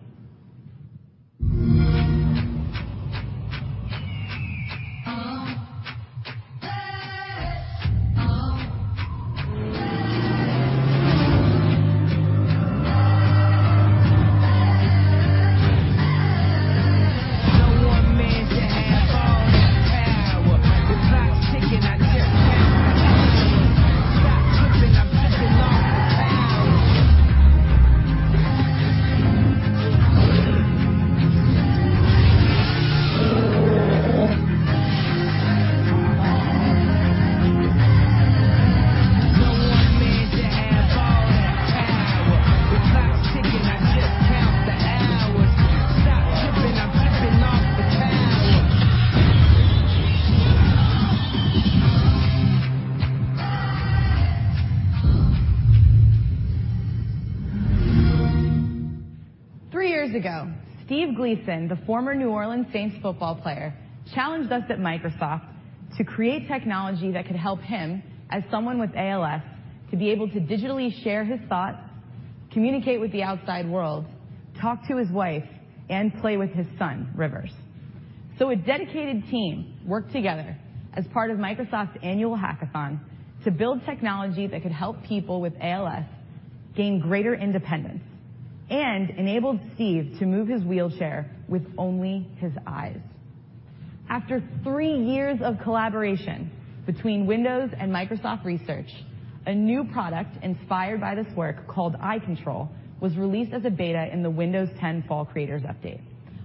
Three years ago, Steve Gleason, the former New Orleans Saints football player, challenged us at Microsoft to create technology that could help him, as someone with ALS, to be able to digitally share his thoughts, communicate with the outside world, talk to his wife, and play with his son, Rivers. A dedicated team worked together as part of Microsoft's annual hackathon to build technology that could help people with ALS gain greater independence and enabled Steve to move his wheelchair with only his eyes. After three years of collaboration between Windows and Microsoft Research, a new product inspired by this work called Eye Control was released as a beta in the Windows 10 Fall Creators Update.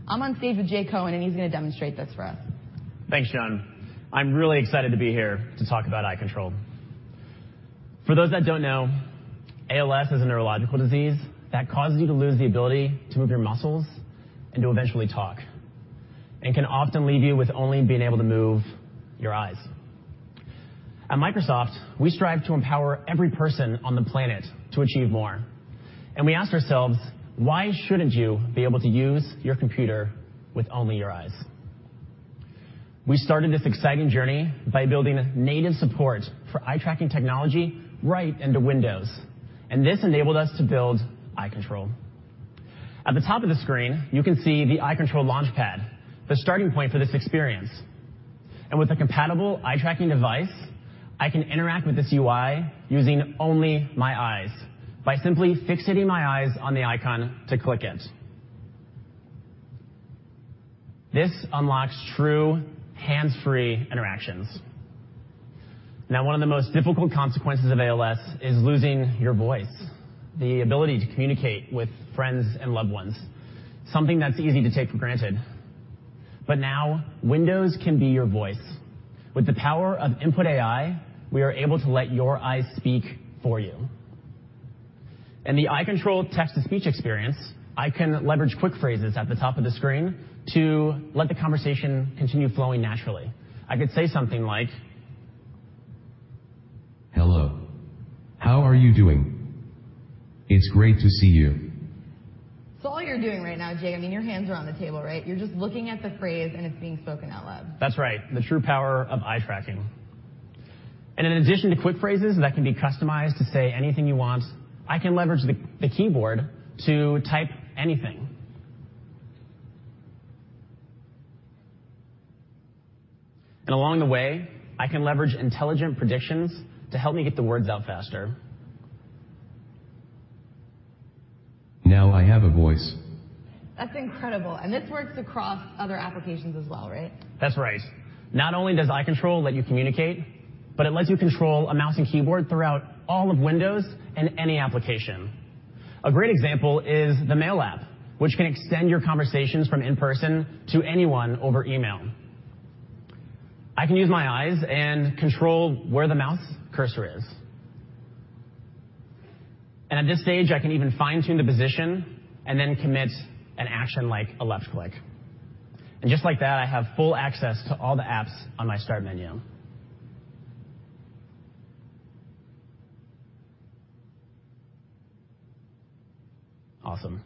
I'm on stage with Jake Cohen, he's going to demonstrate this for us. Thanks, Sean. I'm really excited to be here to talk about Eye Control. For those that don't know, ALS is a neurological disease that causes you to lose the ability to move your muscles and to eventually talk and can often leave you with only being able to move your eyes. At Microsoft, we strive to empower every person on the planet to achieve more, we asked ourselves, "Why shouldn't you be able to use your computer with only your eyes?" We started this exciting journey by building native support for eye-tracking technology right into Windows, this enabled us to build Eye Control. At the top of the screen, you can see the Eye Control launchpad, the starting point for this experience. With a compatible eye-tracking device, I can interact with this UI using only my eyes by simply fixating my eyes on the icon to click it. This unlocks true hands-free interactions. One of the most difficult consequences of ALS is losing your voice, the ability to communicate with friends and loved ones, something that's easy to take for granted. Windows can be your voice. With the power of [Eye Control], we are able to let your eyes speak for you. In the Eye Control text-to-speech experience, I can leverage quick phrases at the top of the screen to let the conversation continue flowing naturally. I could say something like Hello, how are you doing? It's great to see you. All you're doing right now, Jake, your hands are on the table, right? You're just looking at the phrase, and it's being spoken out loud. That's right. The true power of eye tracking. In addition to quick phrases that can be customized to say anything you want, I can leverage the keyboard to type anything. Along the way, I can leverage intelligent predictions to help me get the words out faster. Now I have a voice. That's incredible. This works across other applications as well, right? That's right. Not only does Eye Control let you communicate, but it lets you control a mouse and keyboard throughout all of Windows and any application. A great example is the Mail app, which can extend your conversations from in-person to anyone over email. I can use my eyes and control where the mouse cursor is. At this stage, I can even fine-tune the position and then commit an action like a left-click. Just like that, I have full access to all the apps on my Start menu. Awesome.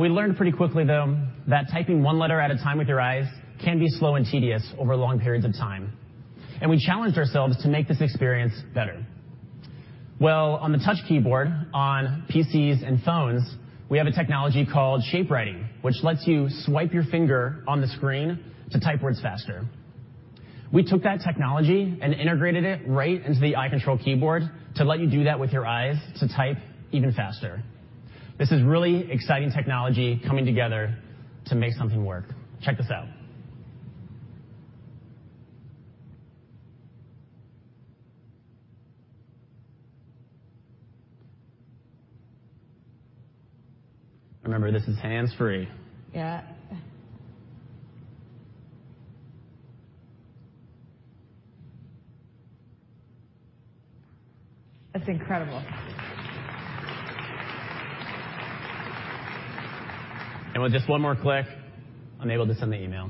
We learned pretty quickly, though, that typing one letter at a time with your eyes can be slow and tedious over long periods of time, and we challenged ourselves to make this experience better. Well, on the touch keyboard on PCs and phones, we have a technology called shape writing, which lets you swipe your finger on the screen to type words faster. We took that technology and integrated it right into the Eye Control keyboard to let you do that with your eyes to type even faster. This is really exciting technology coming together to make something work. Check this out. Remember, this is hands-free. Yeah. That's incredible. With just one more click, I'm able to send the email.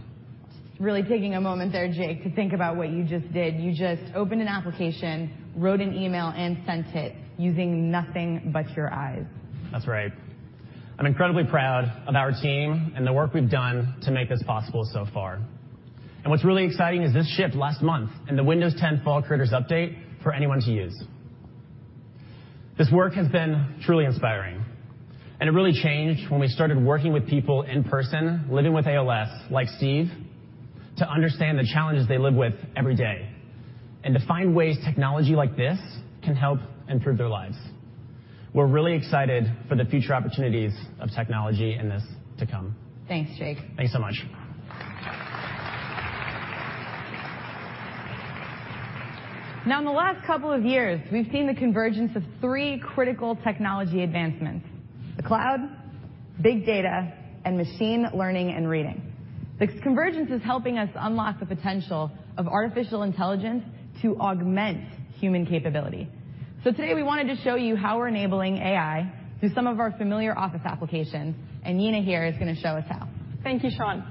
Just really taking a moment there, Jake, to think about what you just did. You just opened an application, wrote an email, and sent it using nothing but your eyes. That's right. I'm incredibly proud of our team and the work we've done to make this possible so far. What's really exciting is this shipped last month in the Windows 10 Fall Creators Update for anyone to use. This work has been truly inspiring, and it really changed when we started working with people in person, living with ALS, like Steve, to understand the challenges they live with every day and to find ways technology like this can help improve their lives. We're really excited for the future opportunities of technology and this to come. Thanks, Jake. Thanks so much. In the last couple of years, we've seen the convergence of three critical technology advancements, the cloud, big data, and machine learning and reasoning. This convergence is helping us unlock the potential of artificial intelligence to augment human capability. Today we wanted to show you how we're enabling AI through some of our familiar Office applications, Nina here is going to show us how. Thank you, Sean.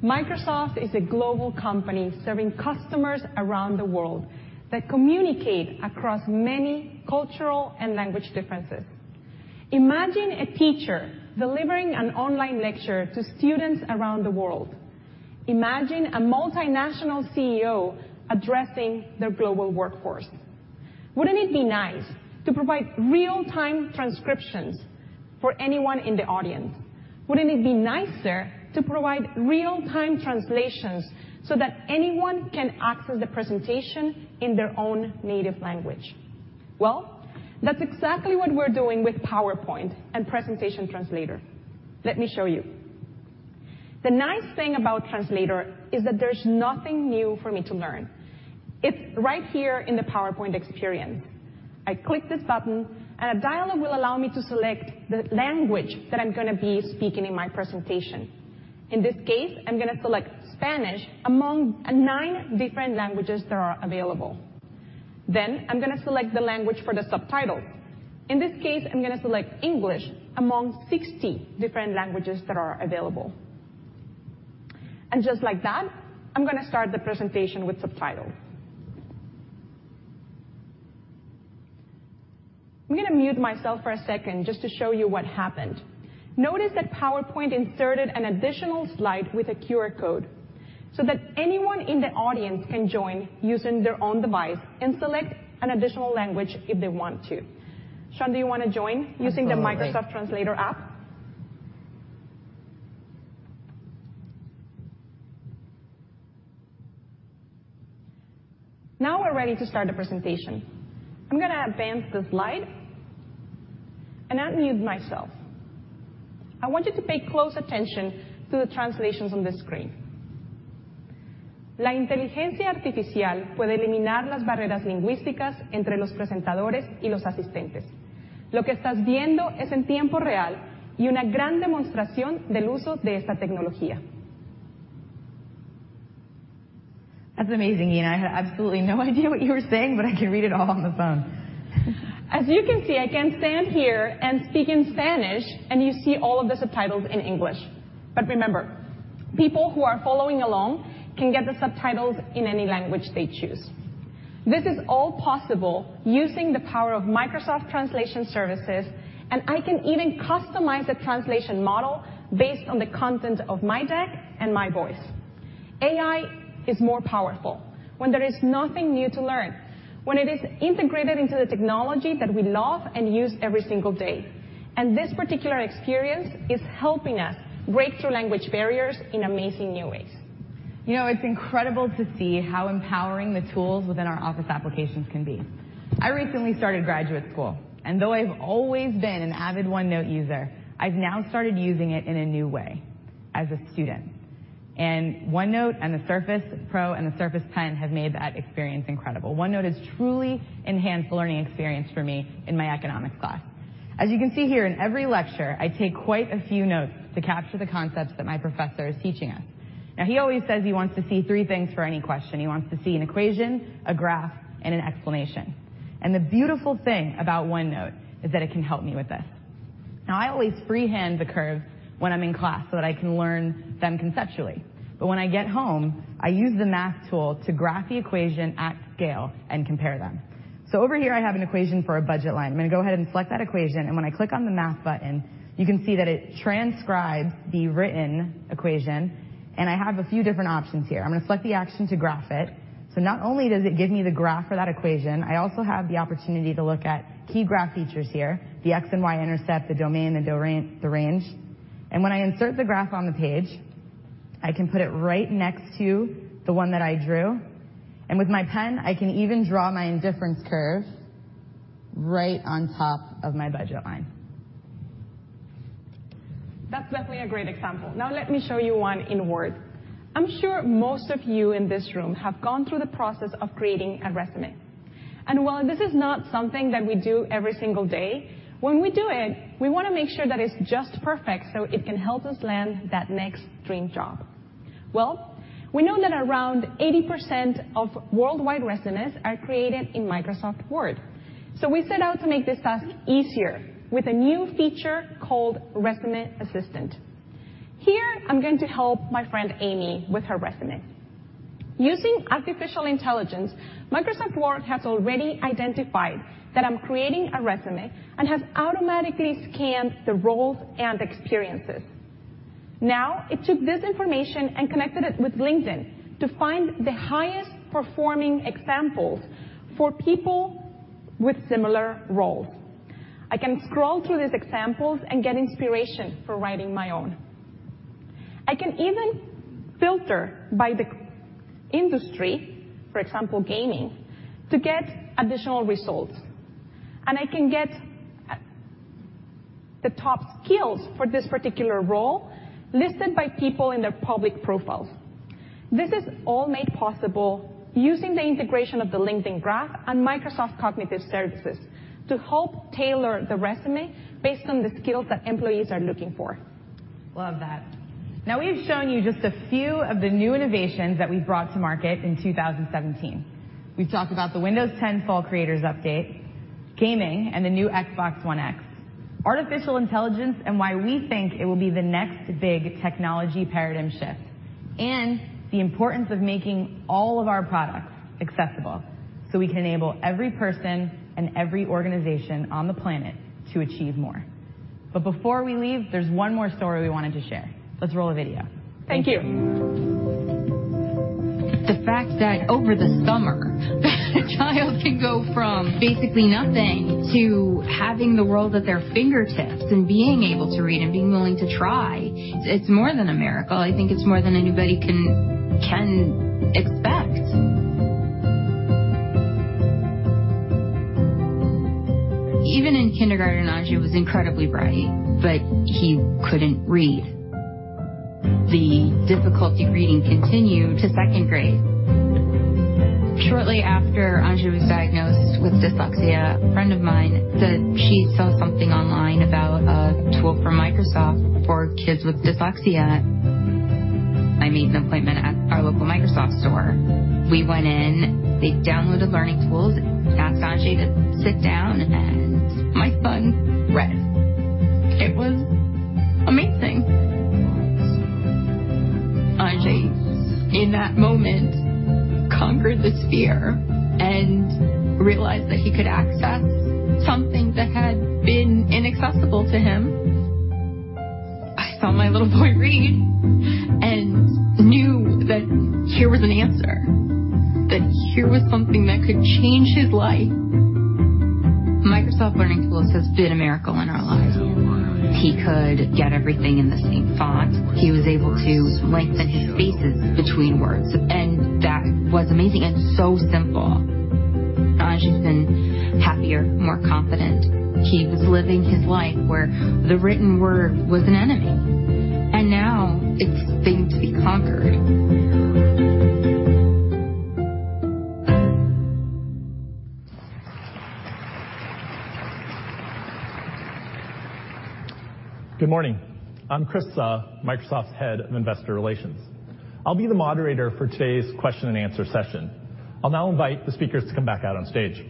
Microsoft is a global company serving customers around the world that communicate across many cultural and language differences. Imagine a teacher delivering an online lecture to students around the world. Imagine a multinational CEO addressing their global workforce. Wouldn't it be nice to provide real-time transcriptions for anyone in the audience? Wouldn't it be nicer to provide real-time translations so that anyone can access the presentation in their own native language? That's exactly what we're doing with PowerPoint and Presentation Translator. Let me show you. The nice thing about Translator is that there's nothing new for me to learn. It's right here in the PowerPoint experience. I click this button, and a dialog will allow me to select the language that I'm going to be speaking in my presentation. In this case, I'm going to select Spanish among nine different languages that are available. I'm going to select the language for the subtitles. In this case, I'm going to select English among 60 different languages that are available. Just like that, I'm going to start the presentation with subtitles. I'm going to mute myself for a second just to show you what happened. Notice that PowerPoint inserted an additional slide with a QR code so that anyone in the audience can join using their own device and select an additional language if they want to. Sean, do you want to join using the Microsoft Translator app? I'm going to join. We're ready to start the presentation. I'm going to advance the slide and unmute myself. I want you to pay close attention to the translations on the screen. That's amazing, Nina. I had absolutely no idea what you were saying, but I can read it all on the phone. As you can see, I can stand here and speak in Spanish, and you see all of the subtitles in English. Remember, people who are following along can get the subtitles in any language they choose. This is all possible using the power of Microsoft Translation Services, and I can even customize the translation model based on the content of my deck and my voice. AI is more powerful when there is nothing new to learn, when it is integrated into the technology that we love and use every single day. This particular experience is helping us break through language barriers in amazing new ways. It's incredible to see how empowering the tools within our Office applications can be. I recently started graduate school, though I've always been an avid OneNote user, I've now started using it in a new way, as a student. OneNote and the Surface Pro and the Surface Pen have made that experience incredible. OneNote has truly enhanced the learning experience for me in my economics class. As you can see here, in every lecture, I take quite a few notes to capture the concepts that my professor is teaching us. Now, he always says he wants to see three things for any question. He wants to see an equation, a graph, and an explanation. The beautiful thing about OneNote is that it can help me with this. Now, I always freehand the curve when I'm in class so that I can learn them conceptually. When I get home, I use the math tool to graph the equation at scale and compare them. Over here, I have an equation for a budget line. I'm going to go ahead and select that equation, and when I click on the math button, you can see that it transcribes the written equation, and I have a few different options here. I'm going to select the action to graph it. Not only does it give me the graph for that equation, I also have the opportunity to look at key graph features here, the x and y-intercept, the domain, the range. When I insert the graph on the page, I can put it right next to the one that I drew. With my pen, I can even draw my indifference curve right on top of my budget line. That's definitely a great example. Now let me show you one in Word. I'm sure most of you in this room have gone through the process of creating a resume. While this is not something that we do every single day, when we do it, we want to make sure that it's just perfect so it can help us land that next dream job. Well, we know that around 80% of worldwide resumes are created in Microsoft Word. We set out to make this task easier with a new feature called Resume Assistant. Here, I'm going to help my friend Amy with her resume. Using artificial intelligence, Microsoft Word has already identified that I'm creating a resume and has automatically scanned the roles and experiences. Now, it took this information and connected it with LinkedIn to find the highest-performing examples for people with similar roles. I can scroll through these examples and get inspiration for writing my own. I can even filter by the industry, for example, gaming, to get additional results. I can get the top skills for this particular role listed by people in their public profiles. This is all made possible using the integration of the LinkedIn graph and Microsoft Cognitive Services to help tailor the resume based on the skills that employees are looking for. Love that. We've shown you just a few of the new innovations that we've brought to market in 2017. We've talked about the Windows 10 Fall Creators Update, gaming, and the new Xbox One X, artificial intelligence, and why we think it will be the next big technology paradigm shift, and the importance of making all of our products accessible so we can enable every person and every organization on the planet to achieve more. Before we leave, there's one more story we wanted to share. Let's roll a video. Thank you. The fact that over the summer, a child can go from basically nothing to having the world at their fingertips and being able to read and being willing to try, it's more than a miracle. I think it's more than anybody can expect. Even in kindergarten, Andrew was incredibly bright, but he couldn't read. The difficulty reading continued to second grade. Shortly after Andrew was diagnosed with dyslexia, a friend of mine said she saw something online about a tool from Microsoft for kids with dyslexia. I made an appointment at our local Microsoft Store. We went in, they downloaded Learning Tools, asked Andrew to sit down, and my son read. It was amazing. Andrew, in that moment, conquered this fear and realized that he could access something that had been inaccessible to him. I saw my little boy read and knew that here was an answer, that here was something that could change his life. Microsoft Learning Tools has been a miracle in our lives. He could get everything in the same font. He was able to lengthen his spaces between words, and that was amazing and so simple. Andrew's been happier, more confident. He was living his life where the written word was an enemy, and now it's a thing to be conquered. Good morning. I'm Chris Suh, Microsoft's Head of Investor Relations. I'll be the moderator for today's question and answer session. I'll now invite the speakers to come back out on stage.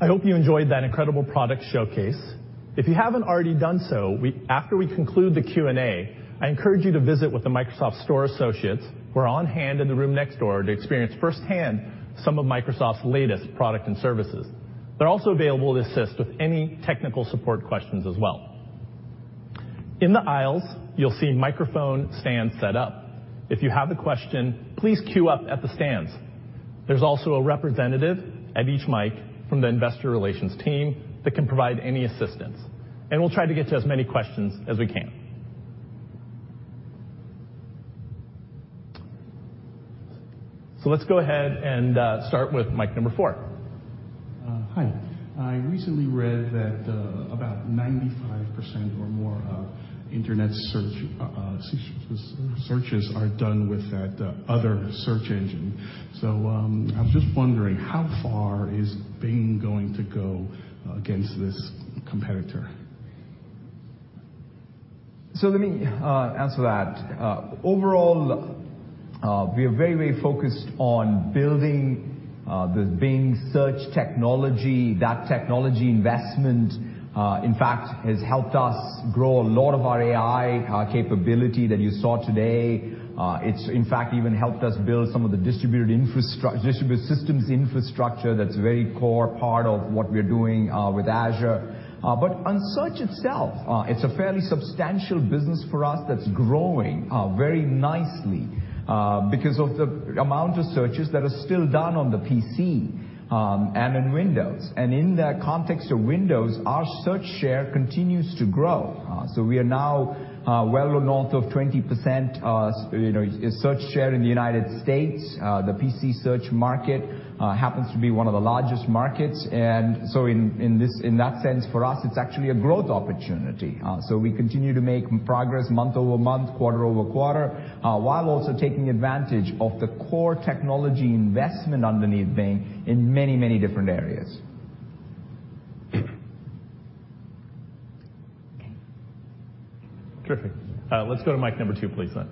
I hope you enjoyed that incredible product showcase. If you haven't already done so, after we conclude the Q&A, I encourage you to visit with the Microsoft Store associates who are on hand in the room next door to experience firsthand some of Microsoft's latest product and services. They're also available to assist with any technical support questions as well. In the aisles, you'll see microphone stands set up. If you have a question, please queue up at the stands. There's also a representative at each mic from the Investor Relations team that can provide any assistance, and we'll try to get to as many questions as we can. Let's go ahead and start with mic number four. Hi. I recently read that about 95% or more of internet searches are done with that other search engine. I was just wondering, how far is Bing going to go against this competitor? Let me answer that. Overall, we are very focused on building the Bing search technology. That technology investment, in fact, has helped us grow a lot of our AI capability that you saw today. It's in fact even helped us build some of the distributed systems infrastructure that's a very core part of what we're doing with Azure. On search itself, it's a fairly substantial business for us that's growing very nicely because of the amount of searches that are still done on the PC and in Windows. In that context of Windows, our search share continues to grow. We are now well north of 20% search share in the U.S. The PC search market happens to be one of the largest markets. In that sense, for us, it's actually a growth opportunity. We continue to make progress month-over-month, quarter-over-quarter, while also taking advantage of the core technology investment underneath Bing in many different areas. Okay. Terrific. Let's go to mic number 2, please, then.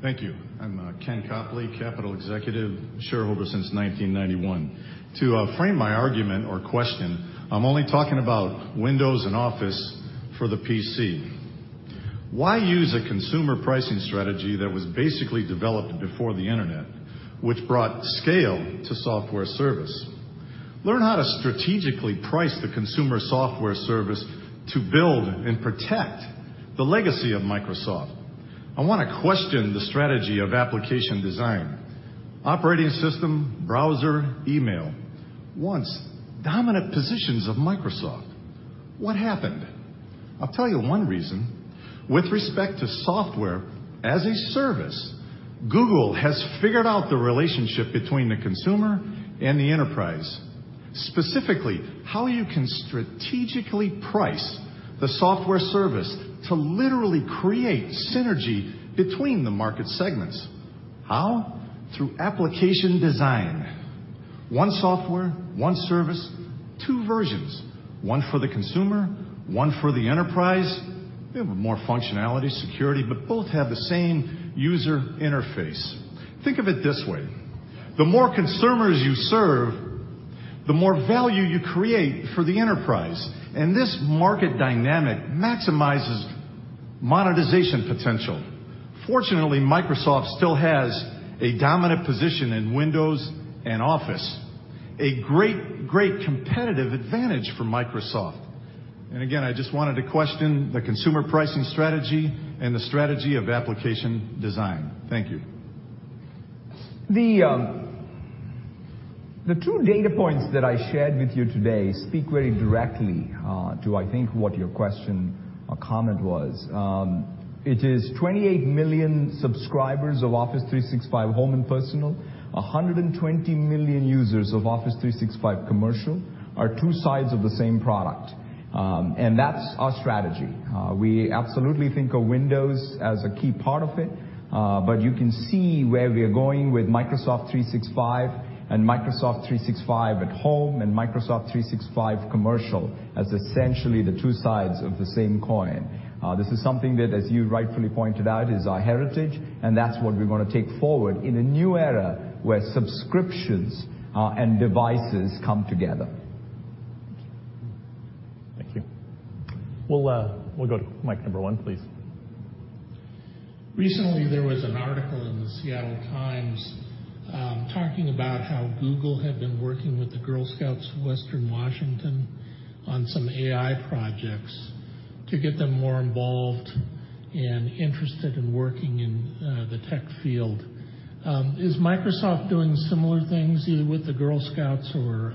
Thank you. I'm Ken Copley, Capital Executive, shareholder since 1991. To frame my argument or question, I'm only talking about Windows and Office for the PC. Why use a consumer pricing strategy that was basically developed before the internet, which brought scale to software service? Learn how to strategically price the consumer software service to build and protect the legacy of Microsoft. I want to question the strategy of application design. Operating system, browser, email. Once dominant positions of Microsoft. What happened? I'll tell you one reason. With respect to software as a service, Google has figured out the relationship between the consumer and the enterprise, specifically how you can strategically price the software service to literally create synergy between the market segments. How? Through application design. One software, one service, two versions, one for the consumer, one for the enterprise. We have more functionality, security. Both have the same user interface. Think of it this way, the more consumers you serve, the more value you create for the enterprise. This market dynamic maximizes monetization potential. Fortunately, Microsoft still has a dominant position in Windows and Office, a great competitive advantage for Microsoft. Again, I just wanted to question the consumer pricing strategy and the strategy of application design. Thank you. The two data points that I shared with you today speak very directly to, I think, what your question or comment was. It is 28 million subscribers of Office 365 Home and Personal, 120 million users of Office 365 Commercial are two sides of the same product. That's our strategy. We absolutely think of Windows as a key part of it. You can see where we are going with Microsoft 365 and Microsoft 365 at home and Microsoft 365 Commercial as essentially the two sides of the same coin. This is something that, as you rightfully pointed out, is our heritage. That's what we want to take forward in a new era where subscriptions and devices come together. Thank you. Thank you. We'll go to mic 1, please. Recently, there was an article in The Seattle Times talking about how Google had been working with the Girl Scouts of Western Washington on some AI projects to get them more involved and interested in working in the tech field. Is Microsoft doing similar things, either with the Girl Scouts or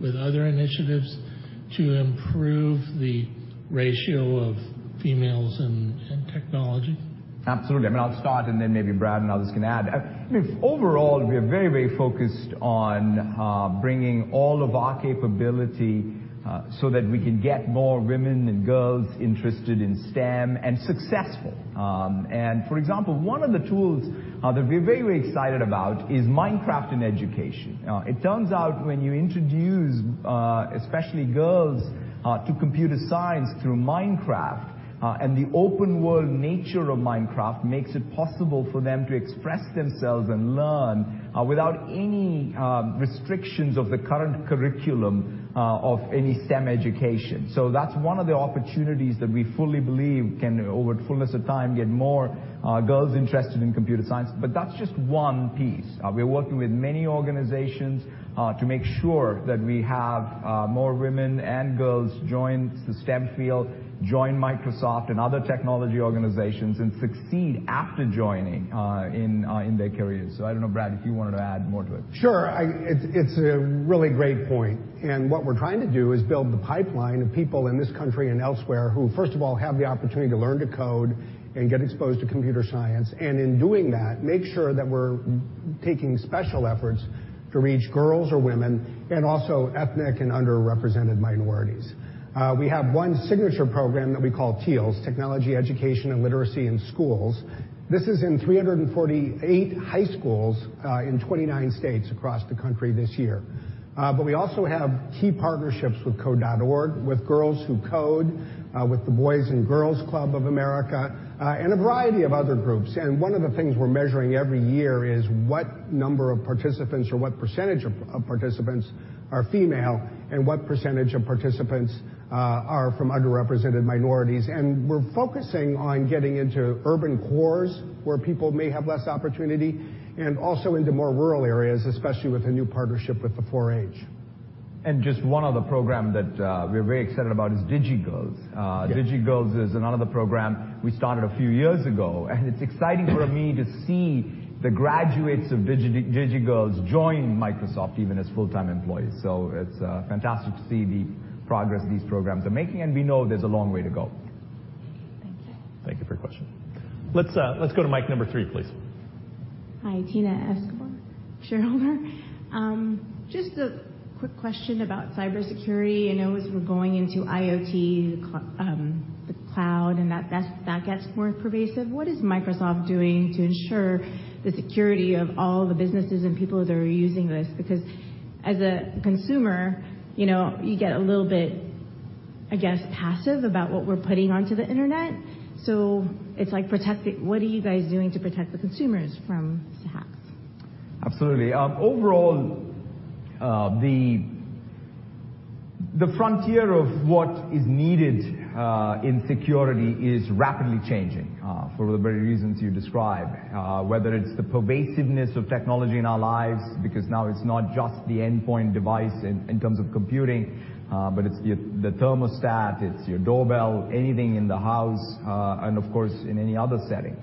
with other initiatives to improve the ratio of females in technology? Absolutely. I mean, I'll start, then maybe Brad and others can add. I mean, overall, we are very focused on bringing all of our capability so that we can get more women and girls interested in STEM and successful. For example, one of the tools that we're very excited about is Minecraft in education. It turns out when you introduce, especially girls, to computer science through Minecraft and the open-world nature of Minecraft makes it possible for them to express themselves and learn without any restrictions of the current curriculum of any STEM education. That's one of the opportunities that we fully believe can, over the fullness of time, get more girls interested in computer science. That's just one piece. We're working with many organizations to make sure that we have more women and girls join the STEM field, join Microsoft and other technology organizations, and succeed after joining in their careers. I don't know, Brad, if you wanted to add more to it. Sure. What we're trying to do is build the pipeline of people in this country and elsewhere who, first of all, have the opportunity to learn to code and get exposed to computer science, and in doing that, make sure that we're taking special efforts to reach girls or women and also ethnic and underrepresented minorities. We have one signature program that we call TEALS, Technology Education and Literacy in Schools. This is in 348 high schools in 29 states across the country this year. We also have key partnerships with Code.org, with Girls Who Code, with the Boys & Girls Clubs of America, and a variety of other groups. One of the things we're measuring every year is what number of participants or what percentage of participants are female, and what percentage of participants are from underrepresented minorities. We're focusing on getting into urban cores where people may have less opportunity and also into more rural areas, especially with a new partnership with the 4-H. Just one other program that we're very excited about is DigiGirlz. Yeah. DigiGirlz is another program we started a few years ago, and it's exciting for me to see the graduates of DigiGirlz join Microsoft, even as full-time employees. It's fantastic to see the progress these programs are making, and we know there's a long way to go. Thank you. Thank you for your question. Let's go to mic number 3, please. Hi, Tina Escobar, shareholder. Just a quick question about cybersecurity. I know as we're going into IoT, the cloud, and that gets more pervasive, what is Microsoft doing to ensure the security of all the businesses and people that are using this? Because as a consumer, you get a little bit, I guess, passive about what we're putting onto the internet. What are you guys doing to protect the consumers from hacks? Absolutely. Overall, the frontier of what is needed in security is rapidly changing for the very reasons you describe, whether it's the pervasiveness of technology in our lives, because now it's not just the endpoint device in terms of computing, but it's the thermostat, it's your doorbell, anything in the house, and of course, in any other setting.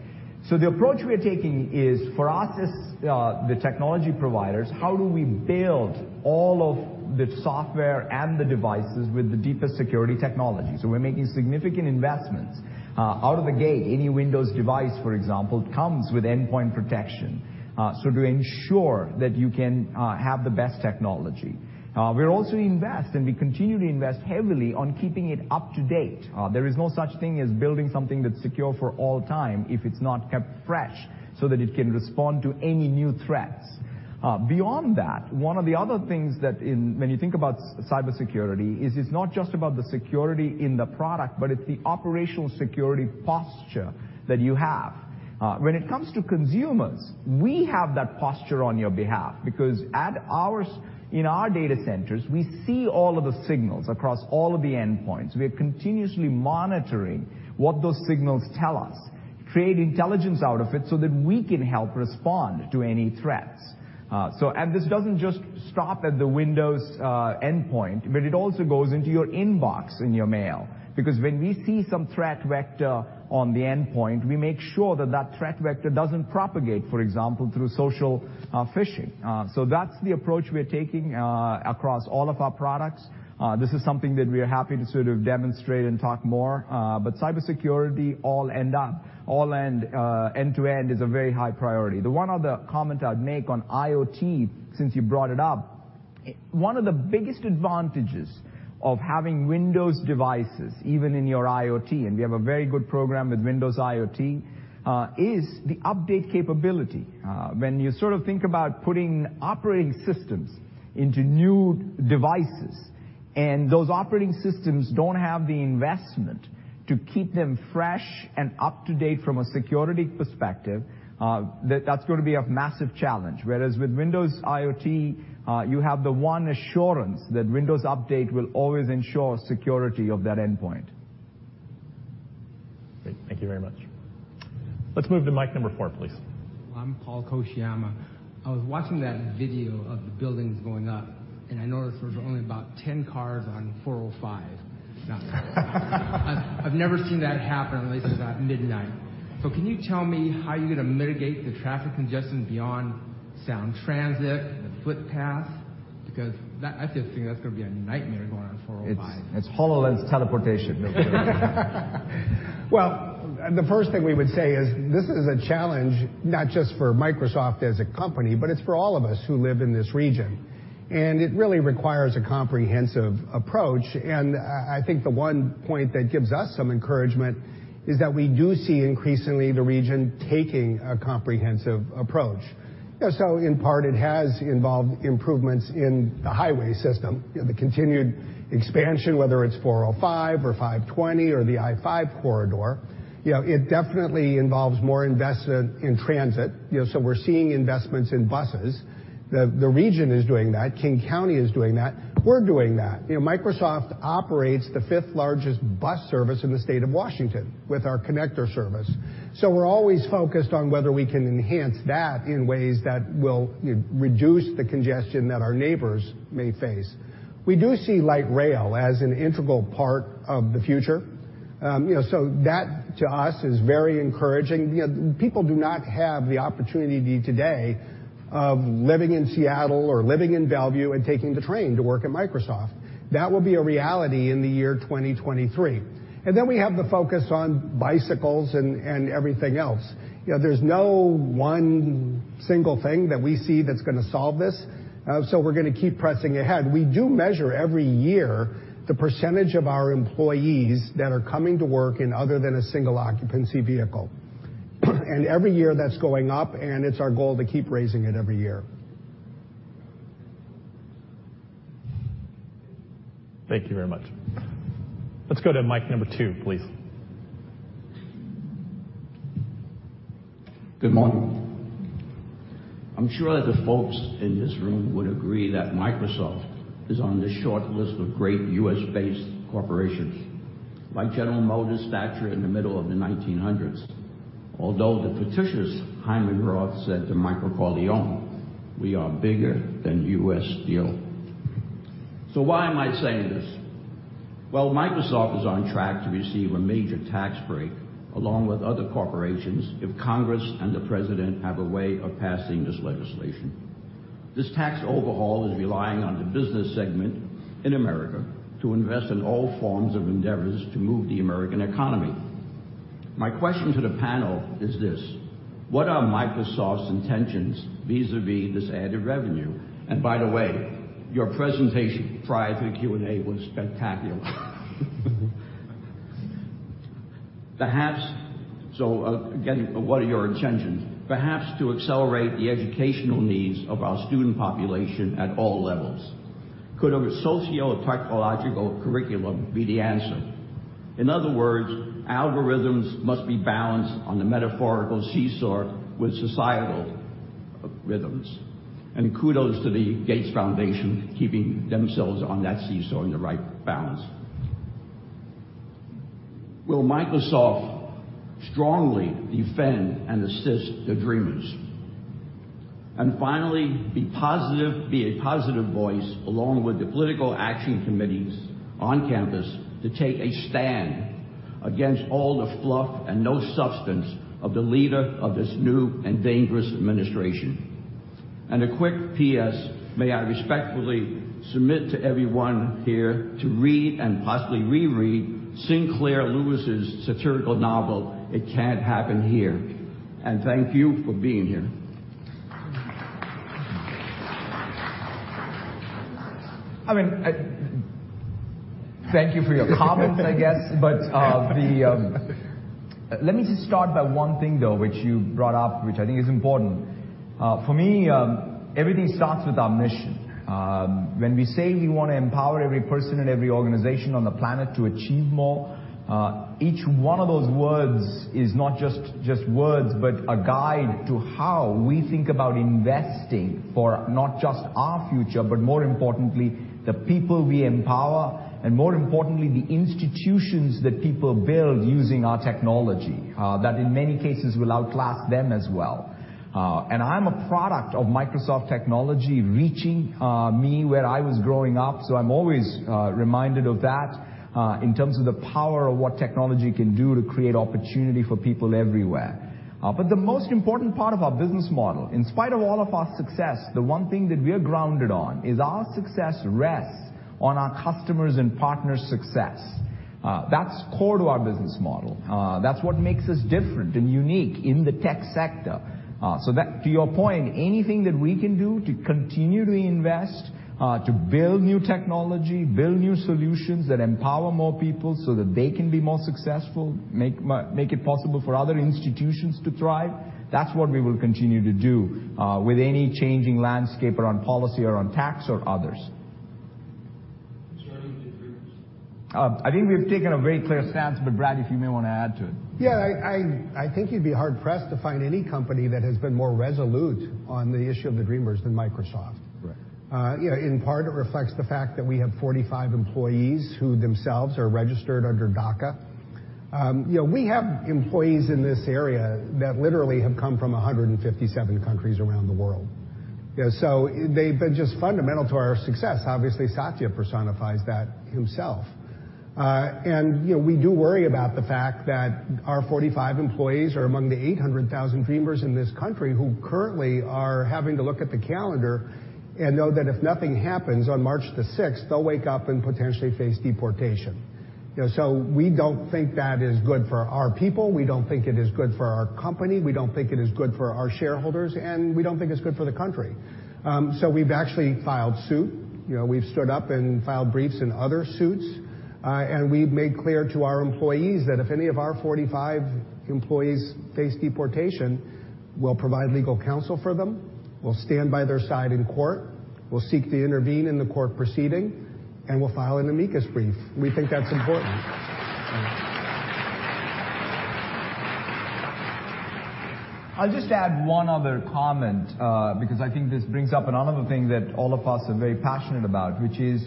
The approach we're taking is for us, the technology providers, how do we build all of the software and the devices with the deepest security technology? We're making significant investments. Out of the gate, any Windows device, for example, comes with endpoint protection, so to ensure that you can have the best technology. We also invest, and we continue to invest heavily on keeping it up to date. There is no such thing as building something that's secure for all time if it's not kept fresh so that it can respond to any new threats. Beyond that, one of the other things that when you think about cybersecurity is it's not just about the security in the product, but it's the operational security posture that you have. When it comes to consumers, we have that posture on your behalf because in our data centers, we see all of the signals across all of the endpoints. We are continuously monitoring what those signals tell us, create intelligence out of it so that we can help respond to any threats. This doesn't just stop at the Windows endpoint, but it also goes into your inbox in your mail, because when we see some threat vector on the endpoint, we make sure that that threat vector doesn't propagate, for example, through social phishing. That's the approach we're taking across all of our products. This is something that we are happy to sort of demonstrate and talk more. Cybersecurity all end up. End-to-end is a very high priority. The one other comment I'd make on IoT, since you brought it up, one of the biggest advantages of having Windows devices, even in your IoT, and we have a very good program with Windows IoT, is the update capability. When you sort of think about putting operating systems into new devices, and those operating systems don't have the investment to keep them fresh and up-to-date from a security perspective, that's going to be a massive challenge. Whereas with Windows IoT, you have the one assurance that Windows Update will always ensure security of that endpoint. Great. Thank you very much. Let's move to mic number four, please. I'm Paul Kochiyama. I was watching that video of the buildings going up, and I noticed there's only about 10 cars on 405. I've never seen that happen late as at midnight. Can you tell me how you're going to mitigate the traffic congestion beyond Sound Transit and the foot path? Because I have to think that's going to be a nightmare going on 405. It's HoloLens teleportation. No. Well, the first thing we would say is this is a challenge not just for Microsoft as a company, but it's for all of us who live in this region. It really requires a comprehensive approach. I think the one point that gives us some encouragement is that we do see increasingly the region taking a comprehensive approach. In part, it has involved improvements in the highway system, the continued expansion, whether it's 405 or 520 or the I-5 corridor. It definitely involves more investment in transit. We're seeing investments in buses. The region is doing that. King County is doing that. We're doing that. Microsoft operates the fifth largest bus service in the state of Washington with our Connector service. We're always focused on whether we can enhance that in ways that will reduce the congestion that our neighbors may face. We do see light rail as an integral part of the future. That to us is very encouraging. People do not have the opportunity today of living in Seattle or living in Bellevue and taking the train to work at Microsoft. That will be a reality in the year 2023. Then we have the focus on bicycles and everything else. There's no one single thing that we see that's going to solve this. We're going to keep pressing ahead. We do measure every year the percentage of our employees that are coming to work in other than a single occupancy vehicle. Every year that's going up, and it's our goal to keep raising it every year. Thank you very much. Let's go to mic number two, please. Good morning. I'm sure that the folks in this room would agree that Microsoft is on the short list of great U.S.-based corporations like General Motors Factory in the middle of the 1900s. Although the fictitious Hyman Roth said to Michael Corleone, "We are bigger than U.S. Steel." Why am I saying this? Well, Microsoft is on track to receive a major tax break, along with other corporations, if Congress and the President have a way of passing this legislation. This tax overhaul is relying on the business segment in America to invest in all forms of endeavors to move the American economy. My question to the panel is this: What are Microsoft's intentions vis-à-vis this added revenue? By the way, your presentation prior to the Q&A was spectacular. Perhaps, again, what are your intentions? Perhaps to accelerate the educational needs of our student population at all levels. Could a socio-psychological curriculum be the answer? In other words, algorithms must be balanced on the metaphorical seesaw with societal rhythms. Kudos to the Gates Foundation keeping themselves on that seesaw in the right balance. Will Microsoft strongly defend and assist the DREAMers? Finally, be a positive voice, along with the political action committees on campus, to take a stand against all the fluff and no substance of the leader of this new and dangerous administration. A quick PS, may I respectfully submit to everyone here to read and possibly reread Sinclair Lewis' satirical novel, "It Can't Happen Here." Thank you for being here. Thank you for your comments, I guess. Let me just start by one thing, though, which you brought up, which I think is important. For me, everything starts with our mission. When we say we want to empower every person and every organization on the planet to achieve more, each one of those words is not just words, but a guide to how we think about investing for not just our future, but more importantly, the people we empower, and more importantly, the institutions that people build using our technology. That, in many cases, will outlast them as well. I'm a product of Microsoft technology reaching me where I was growing up, so I'm always reminded of that in terms of the power of what technology can do to create opportunity for people everywhere. The most important part of our business model, in spite of all of our success, the one thing that we are grounded on is our success rests on our customers' and partners' success. That's core to our business model. That's what makes us different and unique in the tech sector. To your point, anything that we can do to continue to invest, to build new technology, build new solutions that empower more people so that they can be more successful, make it possible for other institutions to thrive, that's what we will continue to do with any changing landscape around policy or on tax or others. How do you do DREAMers? I think we've taken a very clear stance, but Brad, if you may want to add to it. Yeah. I think you'd be hard-pressed to find any company that has been more resolute on the issue of the DREAMers than Microsoft. Right. In part, it reflects the fact that we have 45 employees who themselves are registered under DACA. We have employees in this area that literally have come from 157 countries around the world. They've been just fundamental to our success. Obviously, Satya personifies that himself. We do worry about the fact that our 45 employees are among the 800,000 DREAMers in this country who currently are having to look at the calendar and know that if nothing happens on March the 6th, they'll wake up and potentially face deportation. We don't think that is good for our people, we don't think it is good for our company, we don't think it is good for our shareholders, and we don't think it's good for the country. We've actually filed suit. We've stood up and filed briefs in other suits. We've made clear to our employees that if any of our 45 employees face deportation, we'll provide legal counsel for them, we'll stand by their side in court, we'll seek to intervene in the court proceeding, and we'll file an amicus brief. We think that's important. I'll just add one other comment, because I think this brings up another thing that all of us are very passionate about, which is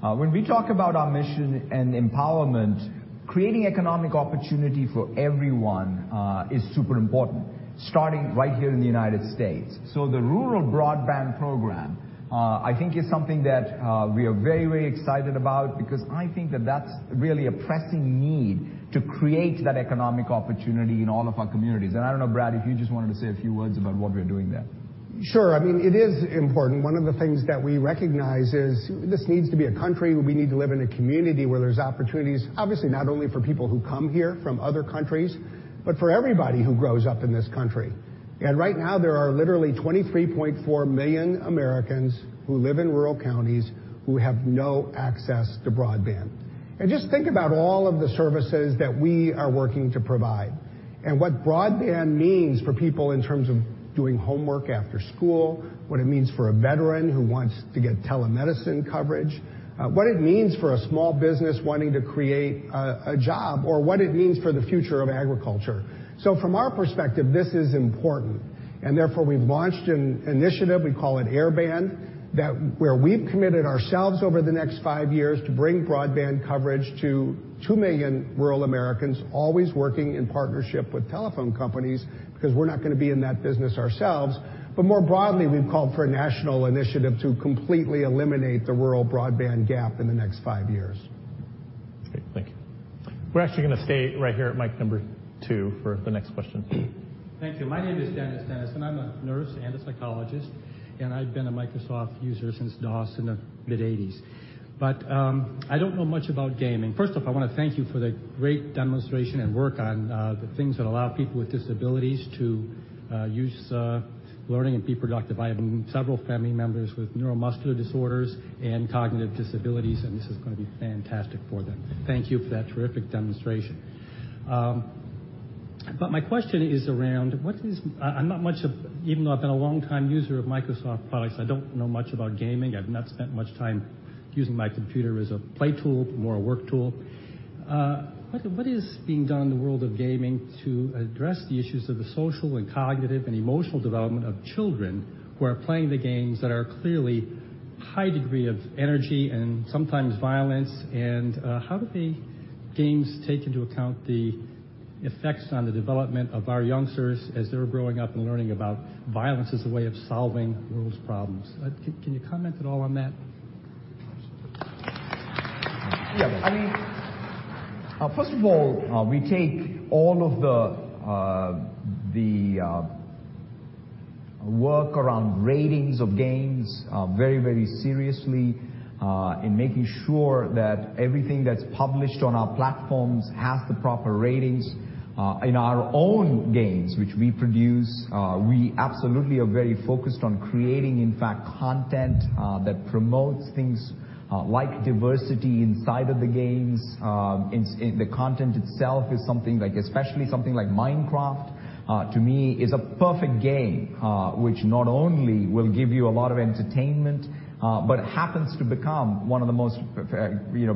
when we talk about our mission and empowerment, creating economic opportunity for everyone is super important, starting right here in the United States. The rural broadband program I think is something that we are very excited about because I think that that's really a pressing need to create that economic opportunity in all of our communities. I don't know, Brad, if you just wanted to say a few words about what we are doing there. Sure. It is important. One of the things that we recognize is this needs to be a country where we need to live in a community where there's opportunities, obviously, not only for people who come here from other countries, but for everybody who grows up in this country. Right now, there are literally 23.4 million Americans who live in rural counties who have no access to broadband. Just think about all of the services that we are working to provide and what broadband means for people in terms of doing homework after school, what it means for a veteran who wants to get telemedicine coverage, what it means for a small business wanting to create a job, or what it means for the future of agriculture. From our perspective, this is important, and therefore, we've launched an initiative, we call it Airband, where we've committed ourselves over the next five years to bring broadband coverage to two million rural Americans, always working in partnership with telephone companies because we're not going to be in that business ourselves. More broadly, we've called for a national initiative to completely eliminate the rural broadband gap in the next five years. Great. Thank you. We're actually going to stay right here at mic number two for the next question. Thank you. My name is Dennis. I'm a nurse and a psychologist, and I've been a Microsoft user since DOS in the mid-'80s. I don't know much about gaming. First off, I want to thank you for the great demonstration and work on the things that allow people with disabilities to use learning and be productive. I have several family members with neuromuscular disorders and cognitive disabilities, and this is going to be fantastic for them. Thank you for that terrific demonstration. My question is around, even though I've been a long-time user of Microsoft products, I don't know much about gaming. I've not spent much time using my computer as a play tool, more a work tool. What is being done in the world of gaming to address the issues of the social and cognitive and emotional development of children who are playing the games that are clearly high degree of energy and sometimes violence, and how do the games take into account the effects on the development of our youngsters as they're growing up and learning about violence as a way of solving those problems? Can you comment at all on that? Yeah. First of all, we take all of the work around ratings of games very, very seriously in making sure that everything that's published on our platforms has the proper ratings. In our own games, which we produce, we absolutely are very focused on creating, in fact, content that promotes things like diversity inside of the games. The content itself is something like, especially something like Minecraft, to me, is a perfect game, which not only will give you a lot of entertainment, but happens to become one of the most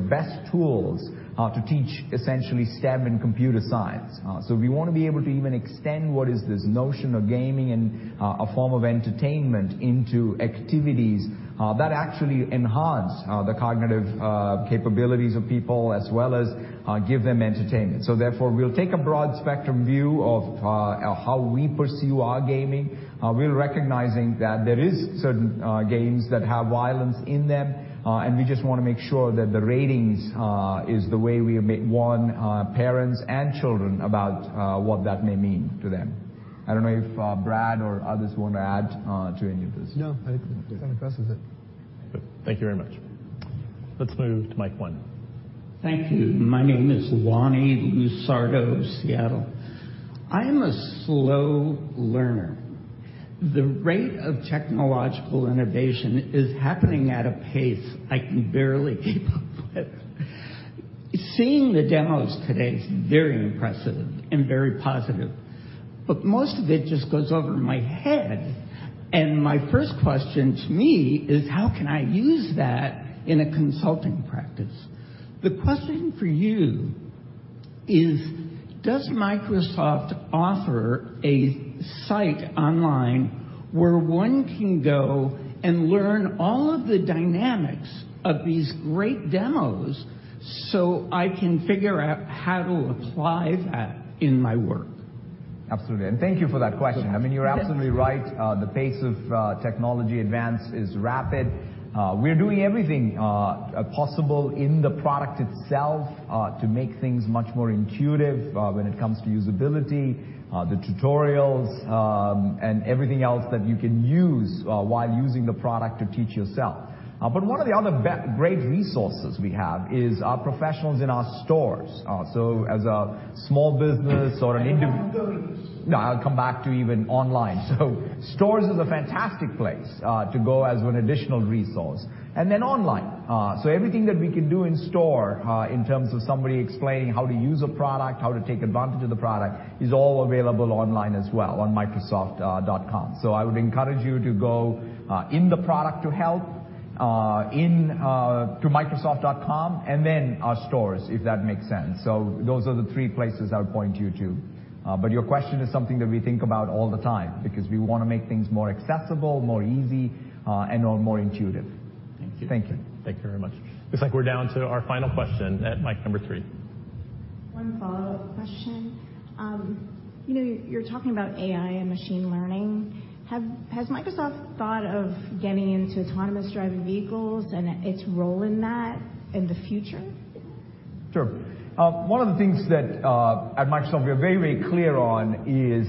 best tools to teach essentially STEM and computer science. We want to be able to even extend what is this notion of gaming and a form of entertainment into activities that actually enhance the cognitive capabilities of people as well as give them entertainment. Therefore, we'll take a broad spectrum view of how we pursue our gaming. We're recognizing that there is certain games that have violence in them, and we just want to make sure that the ratings is the way we warn parents and children about what that may mean to them. I don't know if Brad or others want to add to any of this. No, I think that covers it. Good. Thank you very much. Let's move to mic one. Thank you. My name is Lonnie Lusardo of Seattle. I am a slow learner. The rate of technological innovation is happening at a pace I can barely keep up with. Seeing the demos today is very impressive and very positive, but most of it just goes over my head, and my first question, to me, is how can I use that in a consulting practice? The question for you is, does Microsoft offer a site online where one can go and learn all of the dynamics of these great demos so I can figure out how to apply that in my work? Absolutely, thank you for that question. I mean, you're absolutely right. The pace of technology advance is rapid. We're doing everything possible in the product itself to make things much more intuitive when it comes to usability, the tutorials, and everything else that you can use while using the product to teach yourself. One of the other great resources we have is our professionals in our stores. As a small business or an What about those? No, I'll come back to even online. Stores is a fantastic place to go as an additional resource. Then online. Everything that we can do in store in terms of somebody explaining how to use a product, how to take advantage of the product, is all available online as well on microsoft.com. I would encourage you to go in the product to help, to microsoft.com, and then our stores, if that makes sense. Those are the three places I would point you to. Your question is something that we think about all the time because we want to make things more accessible, more easy, and more intuitive. Thank you. Thank you. Thank you very much. Looks like we're down to our final question at mic number 3. One follow-up question. You're talking about AI and machine learning. Has Microsoft thought of getting into autonomous driving vehicles and its role in that in the future? Sure. One of the things that at Microsoft we are very, very clear on is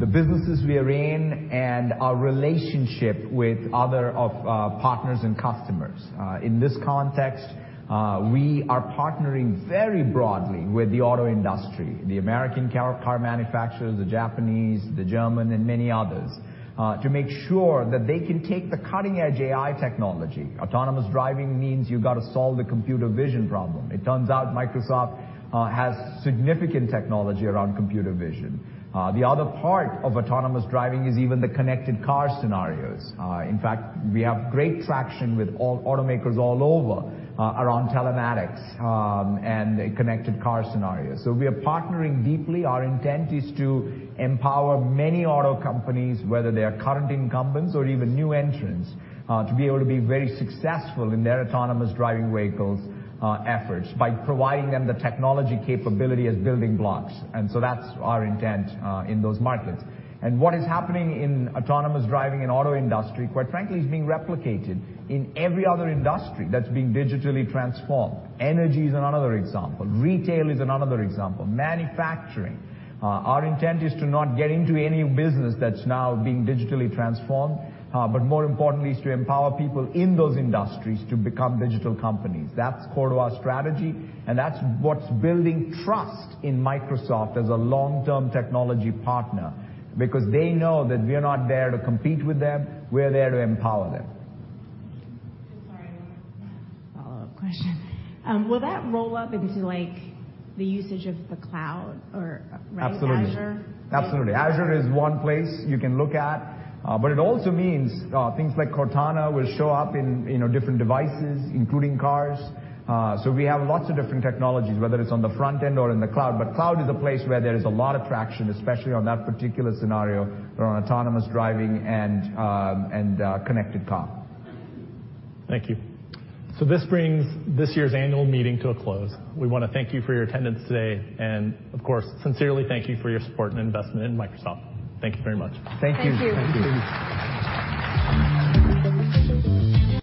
the businesses we are in and our relationship with other partners and customers. In this context, we are partnering very broadly with the auto industry, the American car manufacturers, the Japanese, the German, and many others, to make sure that they can take the cutting-edge AI technology. Autonomous driving means you've got to solve the computer vision problem. It turns out Microsoft has significant technology around computer vision. The other part of autonomous driving is even the connected car scenarios. In fact, we have great traction with automakers all over around telematics and connected car scenarios. We are partnering deeply. Our intent is to empower many auto companies, whether they are current incumbents or even new entrants, to be able to be very successful in their autonomous driving vehicles efforts by providing them the technology capability as building blocks. That's our intent in those markets. What is happening in autonomous driving and auto industry, quite frankly, is being replicated in every other industry that's being digitally transformed. Energy is another example. Retail is another example. Manufacturing. Our intent is to not get into any business that's now being digitally transformed, but more importantly, is to empower people in those industries to become digital companies. That's core to our strategy, and that's what's building trust in Microsoft as a long-term technology partner because they know that we're not there to compete with them, we're there to empower them. Sorry, one follow-up question. Will that roll up into the usage of the cloud or- Absolutely. -Azure? Absolutely. Azure is one place you can look at. It also means things like Cortana will show up in different devices, including cars. We have lots of different technologies, whether it's on the front end or in the cloud, but cloud is a place where there is a lot of traction, especially on that particular scenario around autonomous driving and connected car. Thank you. This brings this year's annual meeting to a close. We want to thank you for your attendance today, and of course, sincerely thank you for your support and investment in Microsoft. Thank you very much. Thank you. Thank you. Thank you.